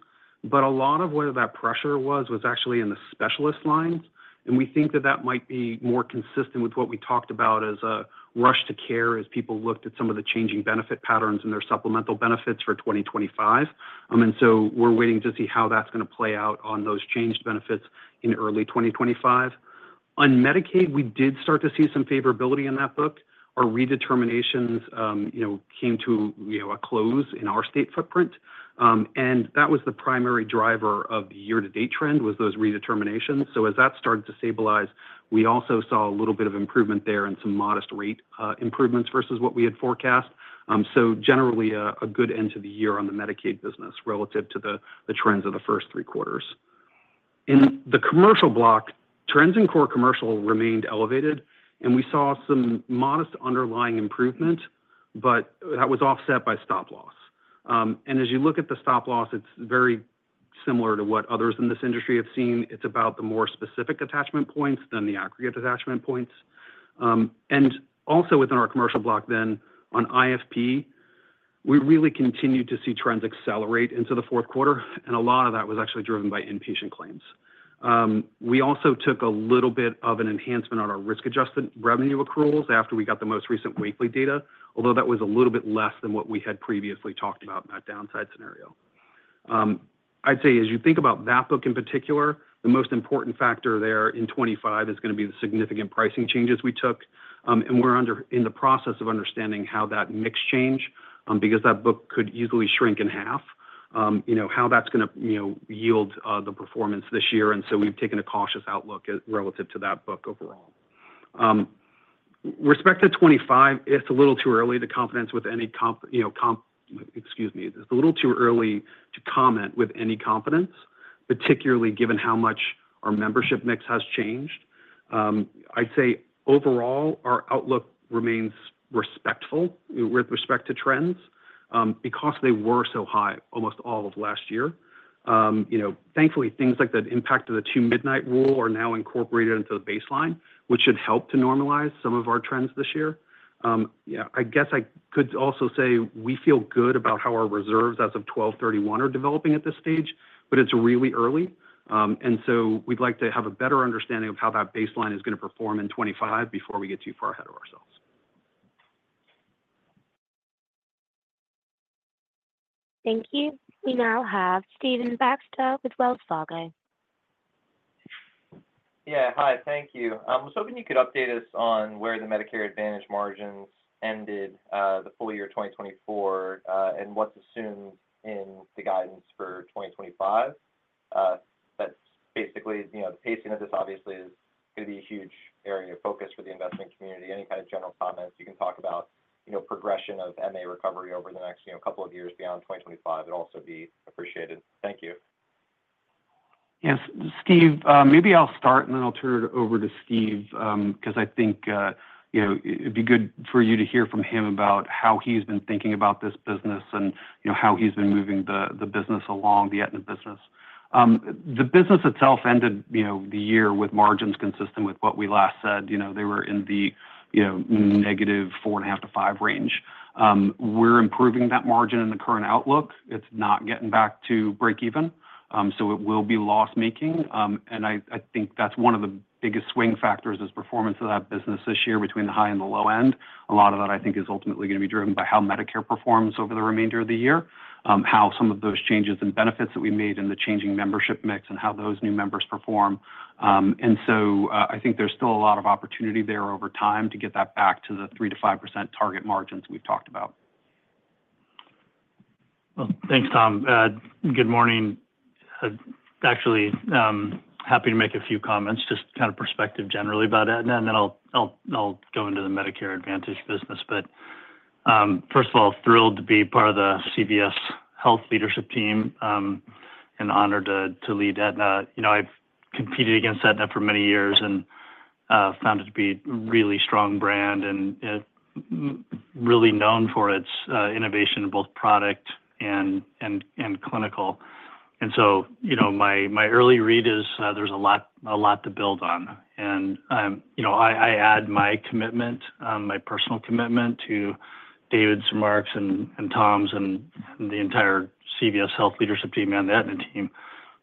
but a lot of where that pressure was, was actually in the specialist lines. And we think that that might be more consistent with what we talked about as a rush to care as people looked at some of the changing benefit patterns and their supplemental benefits for 2025. We're waiting to see how that's going to play out on those changed benefits in early 2025. On Medicaid, we did start to see some favorability in that book. Our redeterminations came to a close in our state footprint, and that was the primary driver of the year-to-date trend, those redeterminations. As that started to stabilize, we also saw a little bit of improvement there and some modest rate improvements versus what we had forecast. Generally, a good end to the year on the Medicaid business relative to the trends of the first three quarters. In the commercial block, trends in core commercial remained elevated, and we saw some modest underlying improvement, but that was offset by stop-loss. As you look at the stop-loss, it's very similar to what others in this industry have seen. It's about the more specific attachment points than the aggregate attachment points. And also within our commercial block, then on IFP, we really continued to see trends accelerate into the fourth quarter, and a lot of that was actually driven by inpatient claims. We also took a little bit of an enhancement on our risk-adjusted revenue accruals after we got the most recent weekly data, although that was a little bit less than what we had previously talked about in that downside scenario. I'd say as you think about that book in particular, the most important factor there in 2025 is going to be the significant pricing changes we took. And we're in the process of understanding how that mix change, because that book could easily shrink in half, how that's going to yield the performance this year. And so we've taken a cautious outlook relative to that book overall. With respect to 2025, it's a little too early to comment with any confidence, particularly given how much our membership mix has changed. I'd say overall, our outlook remains respectful with respect to trends because they were so high almost all of last year. Thankfully, things like the impact of the Two-Midnight Rule are now incorporated into the baseline, which should help to normalize some of our trends this year. Yeah, I guess I could also say we feel good about how our reserves as of 12/31 are developing at this stage, but it's really early, and so we'd like to have a better understanding of how that baseline is going to perform in 2025 before we get too far ahead of ourselves. Thank you. We now have Stephen Baxter with Wells Fargo. Yeah. Hi. Thank you. I was hoping you could update us on where the Medicare Advantage margins ended the full year 2024 and what's assumed in the guidance for 2025. That's basically the pacing of this, obviously, is going to be a huge area of focus for the investment community. Any kind of general comments you can talk about progression of MA recovery over the next couple of years beyond 2025 would also be appreciated. Thank you. Yes. Steve, maybe I'll start, and then I'll turn it over to Steve because I think it'd be good for you to hear from him about how he's been thinking about this business and how he's been moving the business along, the Aetna business. The business itself ended the year with margins consistent with what we last said. They were in the negative 4.5-5 range. We're improving that margin in the current outlook. It's not getting back to break-even, so it will be loss-making. And I think that's one of the biggest swing factors is performance of that business this year between the high and the low end. A lot of that, I think, is ultimately going to be driven by how Medicare performs over the remainder of the year, how some of those changes and benefits that we made in the changing membership mix and how those new members perform. And so I think there's still a lot of opportunity there over time to get that back to the 3% to 5% target margins we've talked about. Well, thanks, Tom. Good morning. Actually, happy to make a few comments, just kind of perspective generally about Aetna, and then I'll go into the Medicare Advantage business. But first of all, thrilled to be part of the CVS Health leadership team and honored to lead Aetna. I've competed against Aetna for many years and found it to be a really strong brand and really known for its innovation in both product and clinical. And so my early read is there's a lot to build on. And I add my commitment, my personal commitment to David's remarks and Tom's and the entire CVS Health leadership team and the Aetna team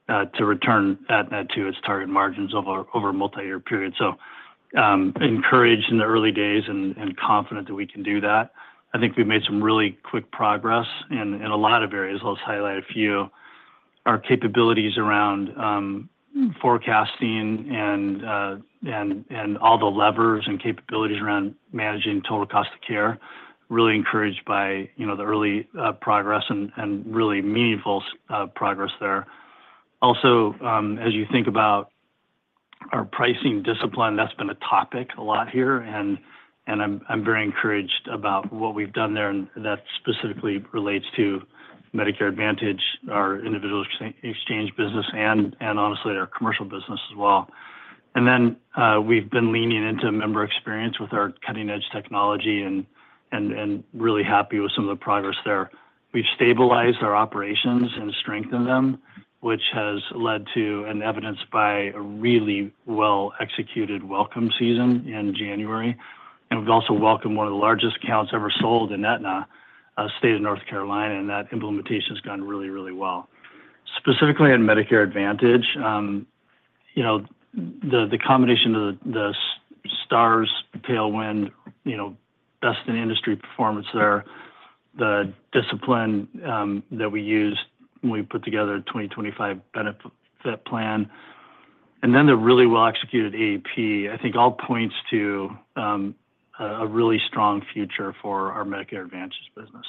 to return Aetna to its target margins over a multi-year period. So encouraged in the early days and confident that we can do that. I think we've made some really quick progress in a lot of areas. I'll just highlight a few. Our capabilities around forecasting and all the levers and capabilities around managing total cost of care are really encouraged by the early progress and really meaningful progress there. Also, as you think about our pricing discipline, that's been a topic a lot here, and I'm very encouraged about what we've done there, and that specifically relates to Medicare Advantage, our Individual Exchange business, and honestly, our commercial business as well. And then we've been leaning into member experience with our cutting-edge technology and really happy with some of the progress there. We've stabilized our operations and strengthened them, which has led to evidenced by a really well-executed welcome season in January. And we've also welcomed one of the largest accounts ever sold in Aetna, a State of North Carolina, and that implementation has gone really, really well. Specifically in Medicare Advantage, the combination of the Stars, tailwind, best in industry performance there, the discipline that we used when we put together a 2025 benefit plan, and then the really well-executed AEP, I think all points to a really strong future for our Medicare Advantage business.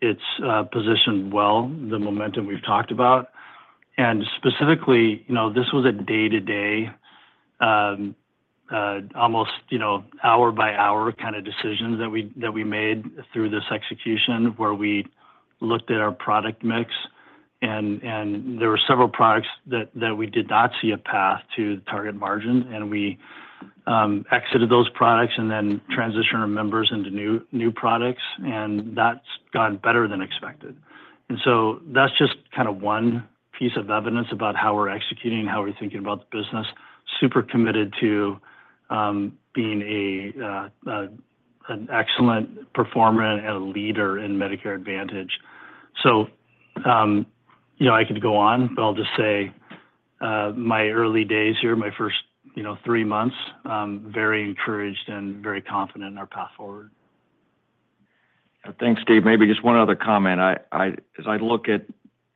It's positioned well, the momentum we've talked about. And specifically, this was a day-to-day, almost hour-by-hour kind of decision that we made through this execution where we looked at our product mix, and there were several products that we did not see a path to the target margin, and we exited those products and then transitioned our members into new products, and that's gone better than expected. And so that's just kind of one piece of evidence about how we're executing and how we're thinking about the business. Super committed to being an excellent performer and a leader in Medicare Advantage. So I could go on, but I'll just say my early days here, my first three months, very encouraged and very confident in our path forward. Thanks, Steve. Maybe just one other comment. As I look at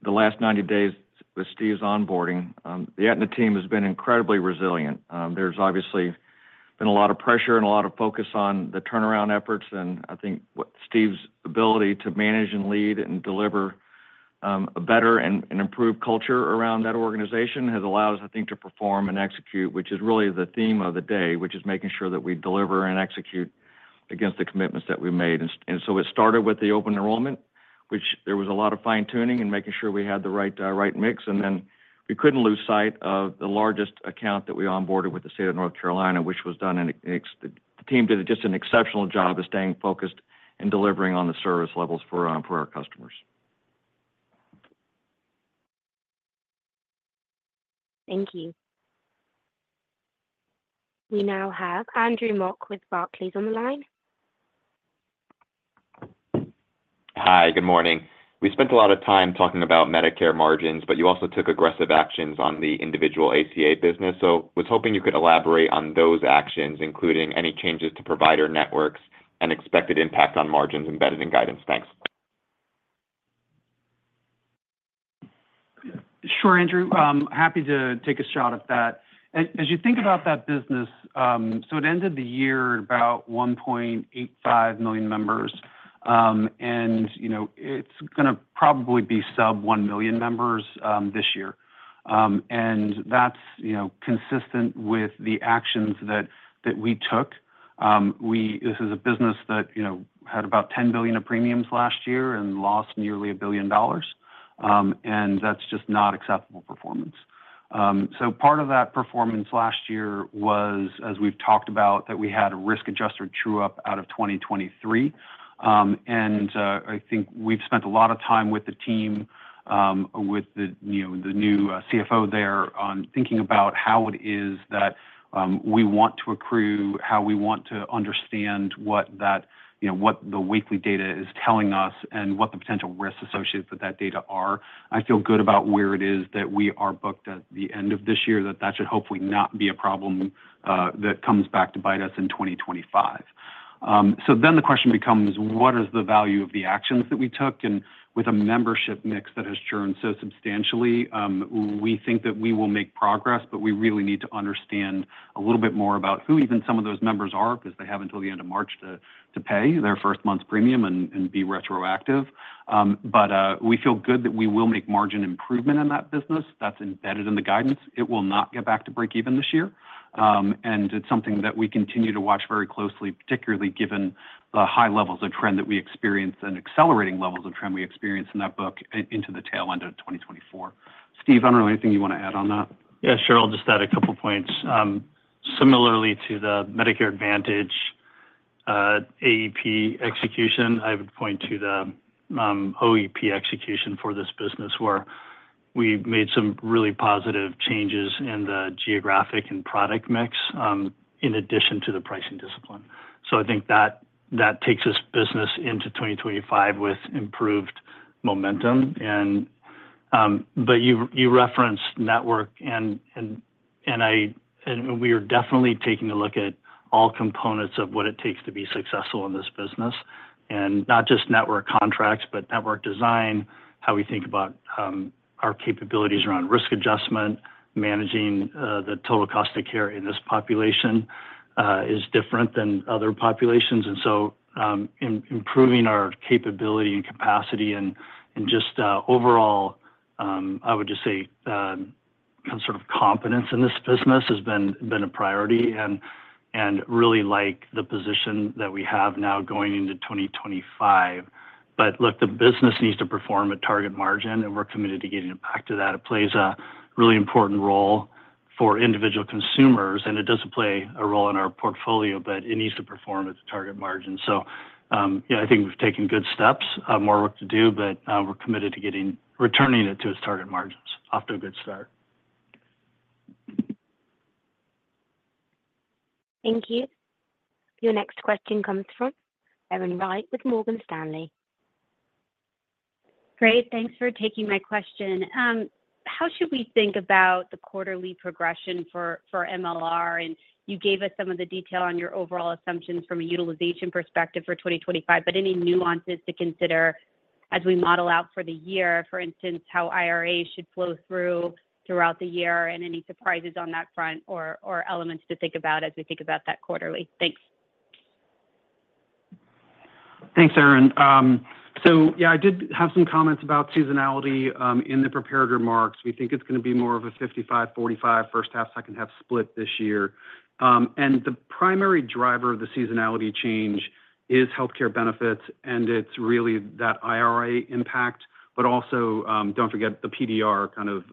the last 90 days with Steve's onboarding, the Aetna team has been incredibly resilient. There's obviously been a lot of pressure and a lot of focus on the turnaround efforts, and I think Steve's ability to manage and lead and deliver a better and improved culture around that organization has allowed us, I think, to perform and execute, which is really the theme of the day, which is making sure that we deliver and execute against the commitments that we made. And so it started with the open enrollment, which there was a lot of fine-tuning and making sure we had the right mix. We couldn't lose sight of the largest account that we onboarded with the State of North Carolina, which was done, and the team did just an exceptional job of staying focused and delivering on the service levels for our customers. Thank you. We now have Andrew Mok with Barclays on the line. Hi. Good morning. We spent a lot of time talking about Medicare margins, but you also took aggressive actions on the individual ACA business. So I was hoping you could elaborate on those actions, including any changes to provider networks and expected impact on margins embedded in guidance. Thanks. Sure, Andrew. Happy to take a shot at that. As you think about that business, so it ended the year at about 1.85 million members, and it's going to probably be sub-one million members this year. That's consistent with the actions that we took. This is a business that had about $10 billion of premiums last year and lost nearly $1 billion, and that's just not acceptable performance. So part of that performance last year was, as we've talked about, that we had a risk adjustment true-up out of 2023. And I think we've spent a lot of time with the team, with the new CFO there, on thinking about how it is that we want to accrue, how we want to understand what the weekly data is telling us, and what the potential risks associated with that data are. I feel good about where it is that we are booked at the end of this year, that that should hopefully not be a problem that comes back to bite us in 2025. So then the question becomes, what is the value of the actions that we took? And with a membership mix that has churned so substantially, we think that we will make progress, but we really need to understand a little bit more about who even some of those members are because they have until the end of March to pay their first month's premium and be retroactive. But we feel good that we will make margin improvement in that business. That's embedded in the guidance. It will not get back to break-even this year. And it's something that we continue to watch very closely, particularly given the high levels of trend that we experienced and accelerating levels of trend we experienced in that book into the tail end of 2024. Steve, I don't know anything you want to add on that. Yeah, sure. I'll just add a couple of points. Similarly to the Medicare Advantage AEP execution, I would point to the OEP execution for this business where we made some really positive changes in the geographic and product mix in addition to the pricing discipline. So I think that takes us business into 2025 with improved momentum. But you referenced network, and we are definitely taking a look at all components of what it takes to be successful in this business. And not just network contracts, but network design, how we think about our capabilities around risk adjustment, managing the total cost of care in this population is different than other populations. And so improving our capability and capacity and just overall, I would just say, sort of confidence in this business has been a priority and really like the position that we have now going into 2025. But look, the business needs to perform at target margin, and we're committed to getting it back to that. It plays a really important role for individual consumers, and it doesn't play a role in our portfolio, but it needs to perform at the target margin. So I think we've taken good steps, more work to do, but we're committed to returning it to its target margins. Off to a good start. Thank you. Your next question comes from Erin Wright with Morgan Stanley. Great. Thanks for taking my question. How should we think about the quarterly progression for MLR? And you gave us some of the detail on your overall assumptions from a utilization perspective for 2025, but any nuances to consider as we model out for the year, for instance, how IRA should flow through throughout the year and any surprises on that front or elements to think about as we think about that quarterly? Thanks. Thanks, Erin. So yeah, I did have some comments about seasonality in the prepared remarks. We think it's going to be more of a 55, 45 first half, second half split this year. And the primary driver of the seasonality change is Health Care Benefits, and it's really that IRA impact, but also don't forget the PDR kind of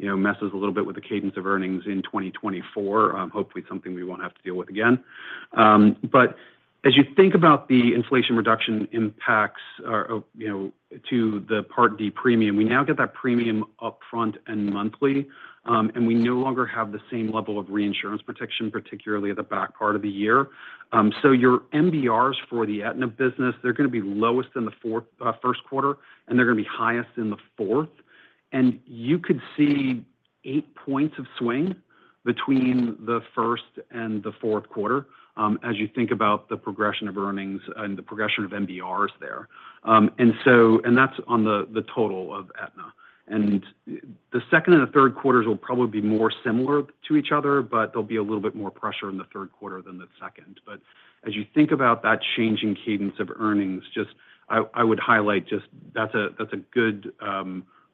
messes a little bit with the cadence of earnings in 2024, hopefully something we won't have to deal with again. But as you think about the inflation reduction impacts to the Part D premium, we now get that premium upfront and monthly, and we no longer have the same level of reinsurance protection, particularly at the back part of the year. So your MBRs for the Aetna business, they're going to be lowest in the first quarter, and they're going to be highest in the fourth. And you could see eight points of swing between the first and the fourth quarter as you think about the progression of earnings and the progression of MBRs there. And that's on the total of Aetna. And the second and the third quarters will probably be more similar to each other, but there'll be a little bit more pressure in the third quarter than the second. But as you think about that changing cadence of earnings, I would highlight just that's a good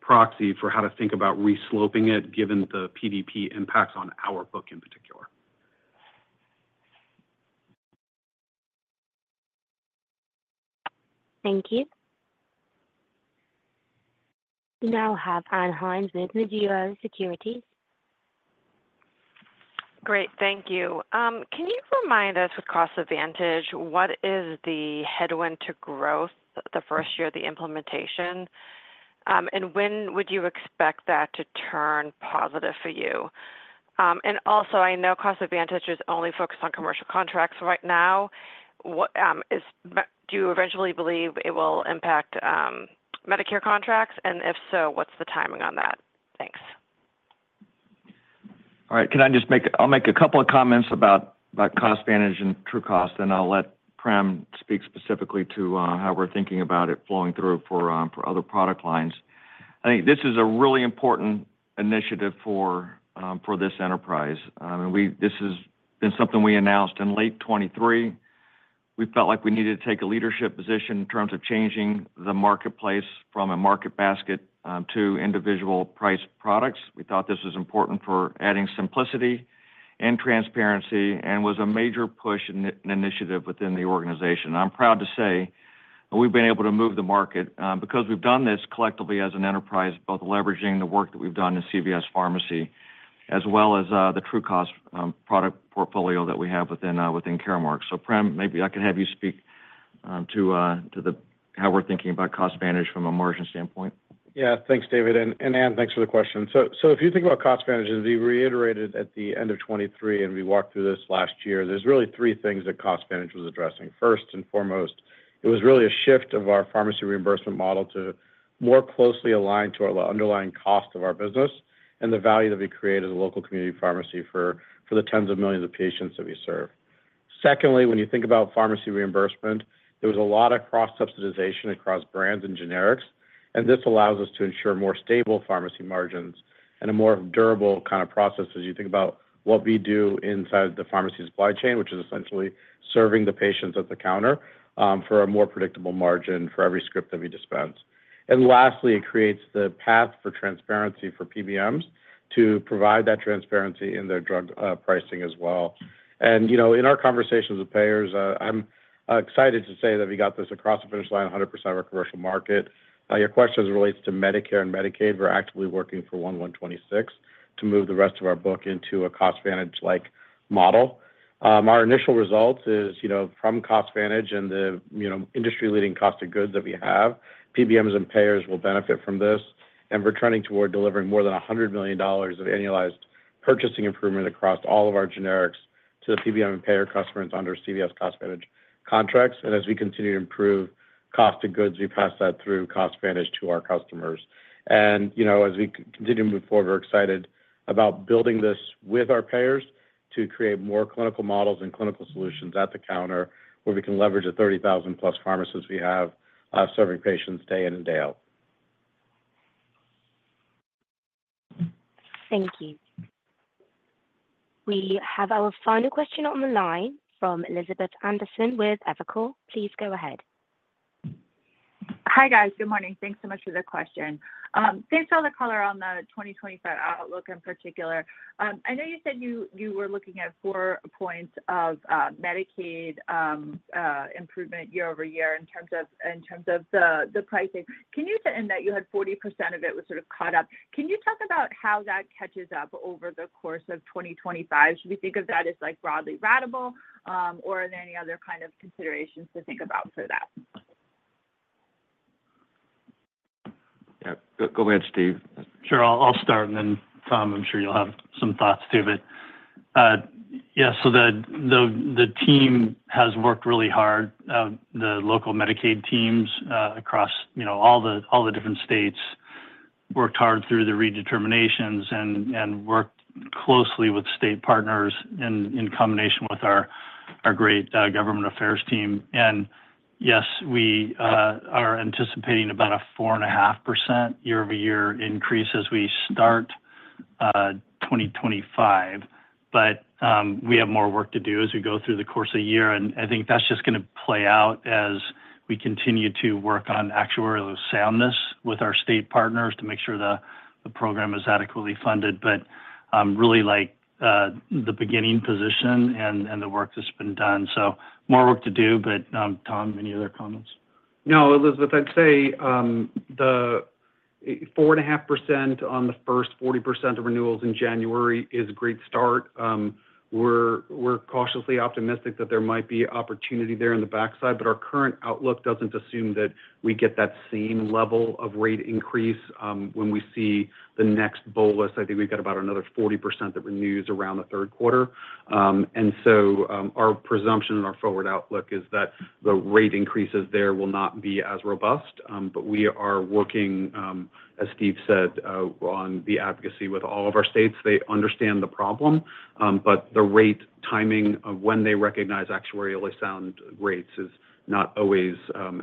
proxy for how to think about resloping it given the PDP impacts on our book in particular. Thank you. We now have Ann Hynes with Mizuho Securities. Great. Thank you. Can you remind us with CostVantage, what is the headwind to growth the first year of the implementation? And when would you expect that to turn positive for you? And also, I know CostVantage is only focused on commercial contracts right now. Do you eventually believe it will impact Medicare contracts? And if so, what's the timing on that? Thanks. All right. I'll make a couple of comments about CostVantage, TrueCost, and I'll let Prem speak specifically to how we're thinking about it flowing through for other product lines. I think this is a really important initiative for this enterprise. This has been something we announced in late 2023. We felt like we needed to take a leadership position in terms of changing the marketplace from a market basket to individual price products. We thought this was important for adding simplicity and transparency and was a major push and initiative within the organization. I'm proud to say we've been able to move the market because we've done this collectively as an enterprise, both leveraging the work that we've done in CVS Pharmacy as well as the TrueCost product portfolio that we have within Caremark. So Prem, maybe I can have you speak to how we're thinking about CostVantage from a margin standpoint. Yeah. Thanks, David. And Anne, thanks for the question. So if you think about CostVantage, we reiterated at the end of 2023, and we walked through this last year, there's really three things that CostVantage was addressing. First and foremost, it was really a shift of our pharmacy reimbursement model to more closely align to our underlying cost of our business and the value that we create as a local community pharmacy for the tens of millions of patients that we serve. Secondly, when you think about pharmacy reimbursement, there was a lot of cross-subsidization across brands and generics, and this allows us to ensure more stable pharmacy margins and a more durable kind of process as you think about what we do inside the pharmacy supply chain, which is essentially serving the patients at the counter for a more predictable margin for every script that we dispense. And lastly, it creates the path for transparency for PBMs to provide that transparency in their drug pricing as well. In our conversations with payers, I'm excited to say that we got this across the finish line, 100% of our commercial market. Your question relates to Medicare and Medicaid. We're actively working for 2026 to move the rest of our book into a cost-managed-like model. Our initial result is from cost-managed and the industry-leading cost of goods that we have. PBMs and payers will benefit from this. We're turning toward delivering more than $100 million of annualized purchasing improvement across all of our generics to the PBM and payer customers under CVS cost-managed contracts. As we continue to improve cost of goods, we pass that through cost-managed to our customers. And as we continue to move forward, we're excited about building this with our payers to create more clinical models and clinical solutions at the counter where we can leverage the 30,000+ pharmacists we have serving patients day in and day out. Thank you. We have our final question on the line from Elizabeth Anderson with Evercore ISI. Please go ahead. Hi guys. Good morning. Thanks so much for the question. Thanks for all the color on the 2025 outlook in particular. I know you said you were looking at four points of Medicaid improvement year over year in terms of the pricing. Can you say that you had 40% of it was sort of caught up? Can you talk about how that catches up over the course of 2025? Should we think of that as broadly ratable, or are there any other kind of considerations to think about for that? Yeah. Go ahead, Steve. Sure. I'll start, and then Tom, I'm sure you'll have some thoughts too. But yeah, so the team has worked really hard. The local Medicaid teams across all the different states worked hard through the redeterminations and worked closely with state partners in combination with our great government affairs team. And yes, we are anticipating about a 4.5% year-over-year increase as we start 2025. But we have more work to do as we go through the course of the year. And I think that's just going to play out as we continue to work on actuarial soundness with our state partners to make sure the program is adequately funded. But I really like the beginning position and the work that's been done. So more work to do. But Tom, any other comments? No, Elizabeth, I'd say the 4.5% on the first 40% of renewals in January is a great start. We're cautiously optimistic that there might be opportunity there in the backside, but our current outlook doesn't assume that we get that same level of rate increase when we see the next bolus. I think we've got about another 40% that renews around the third quarter. And so our presumption and our forward outlook is that the rate increases there will not be as robust. But we are working, as Steve said, on the advocacy with all of our states. They understand the problem, but the rate timing of when they recognize actuarially sound rates is not always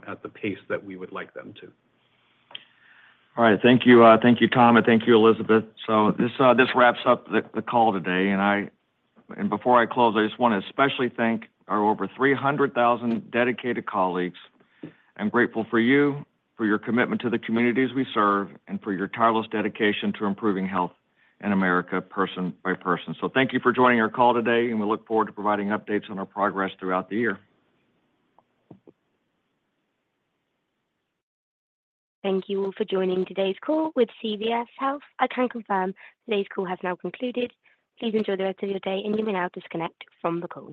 at the pace that we would like them to. All right. Thank you. Thank you, Tom, and thank you, Elizabeth. So this wraps up the call today. Before I close, I just want to especially thank our over 300,000 dedicated colleagues. I'm grateful for you, for your commitment to the communities we serve, and for your tireless dedication to improving health in America person by person. So thank you for joining our call today, and we look forward to providing updates on our progress throughout the year. Thank you all for joining today's call with CVS Health. I can confirm today's call has now concluded. Please enjoy the rest of your day, and you may now disconnect from the call.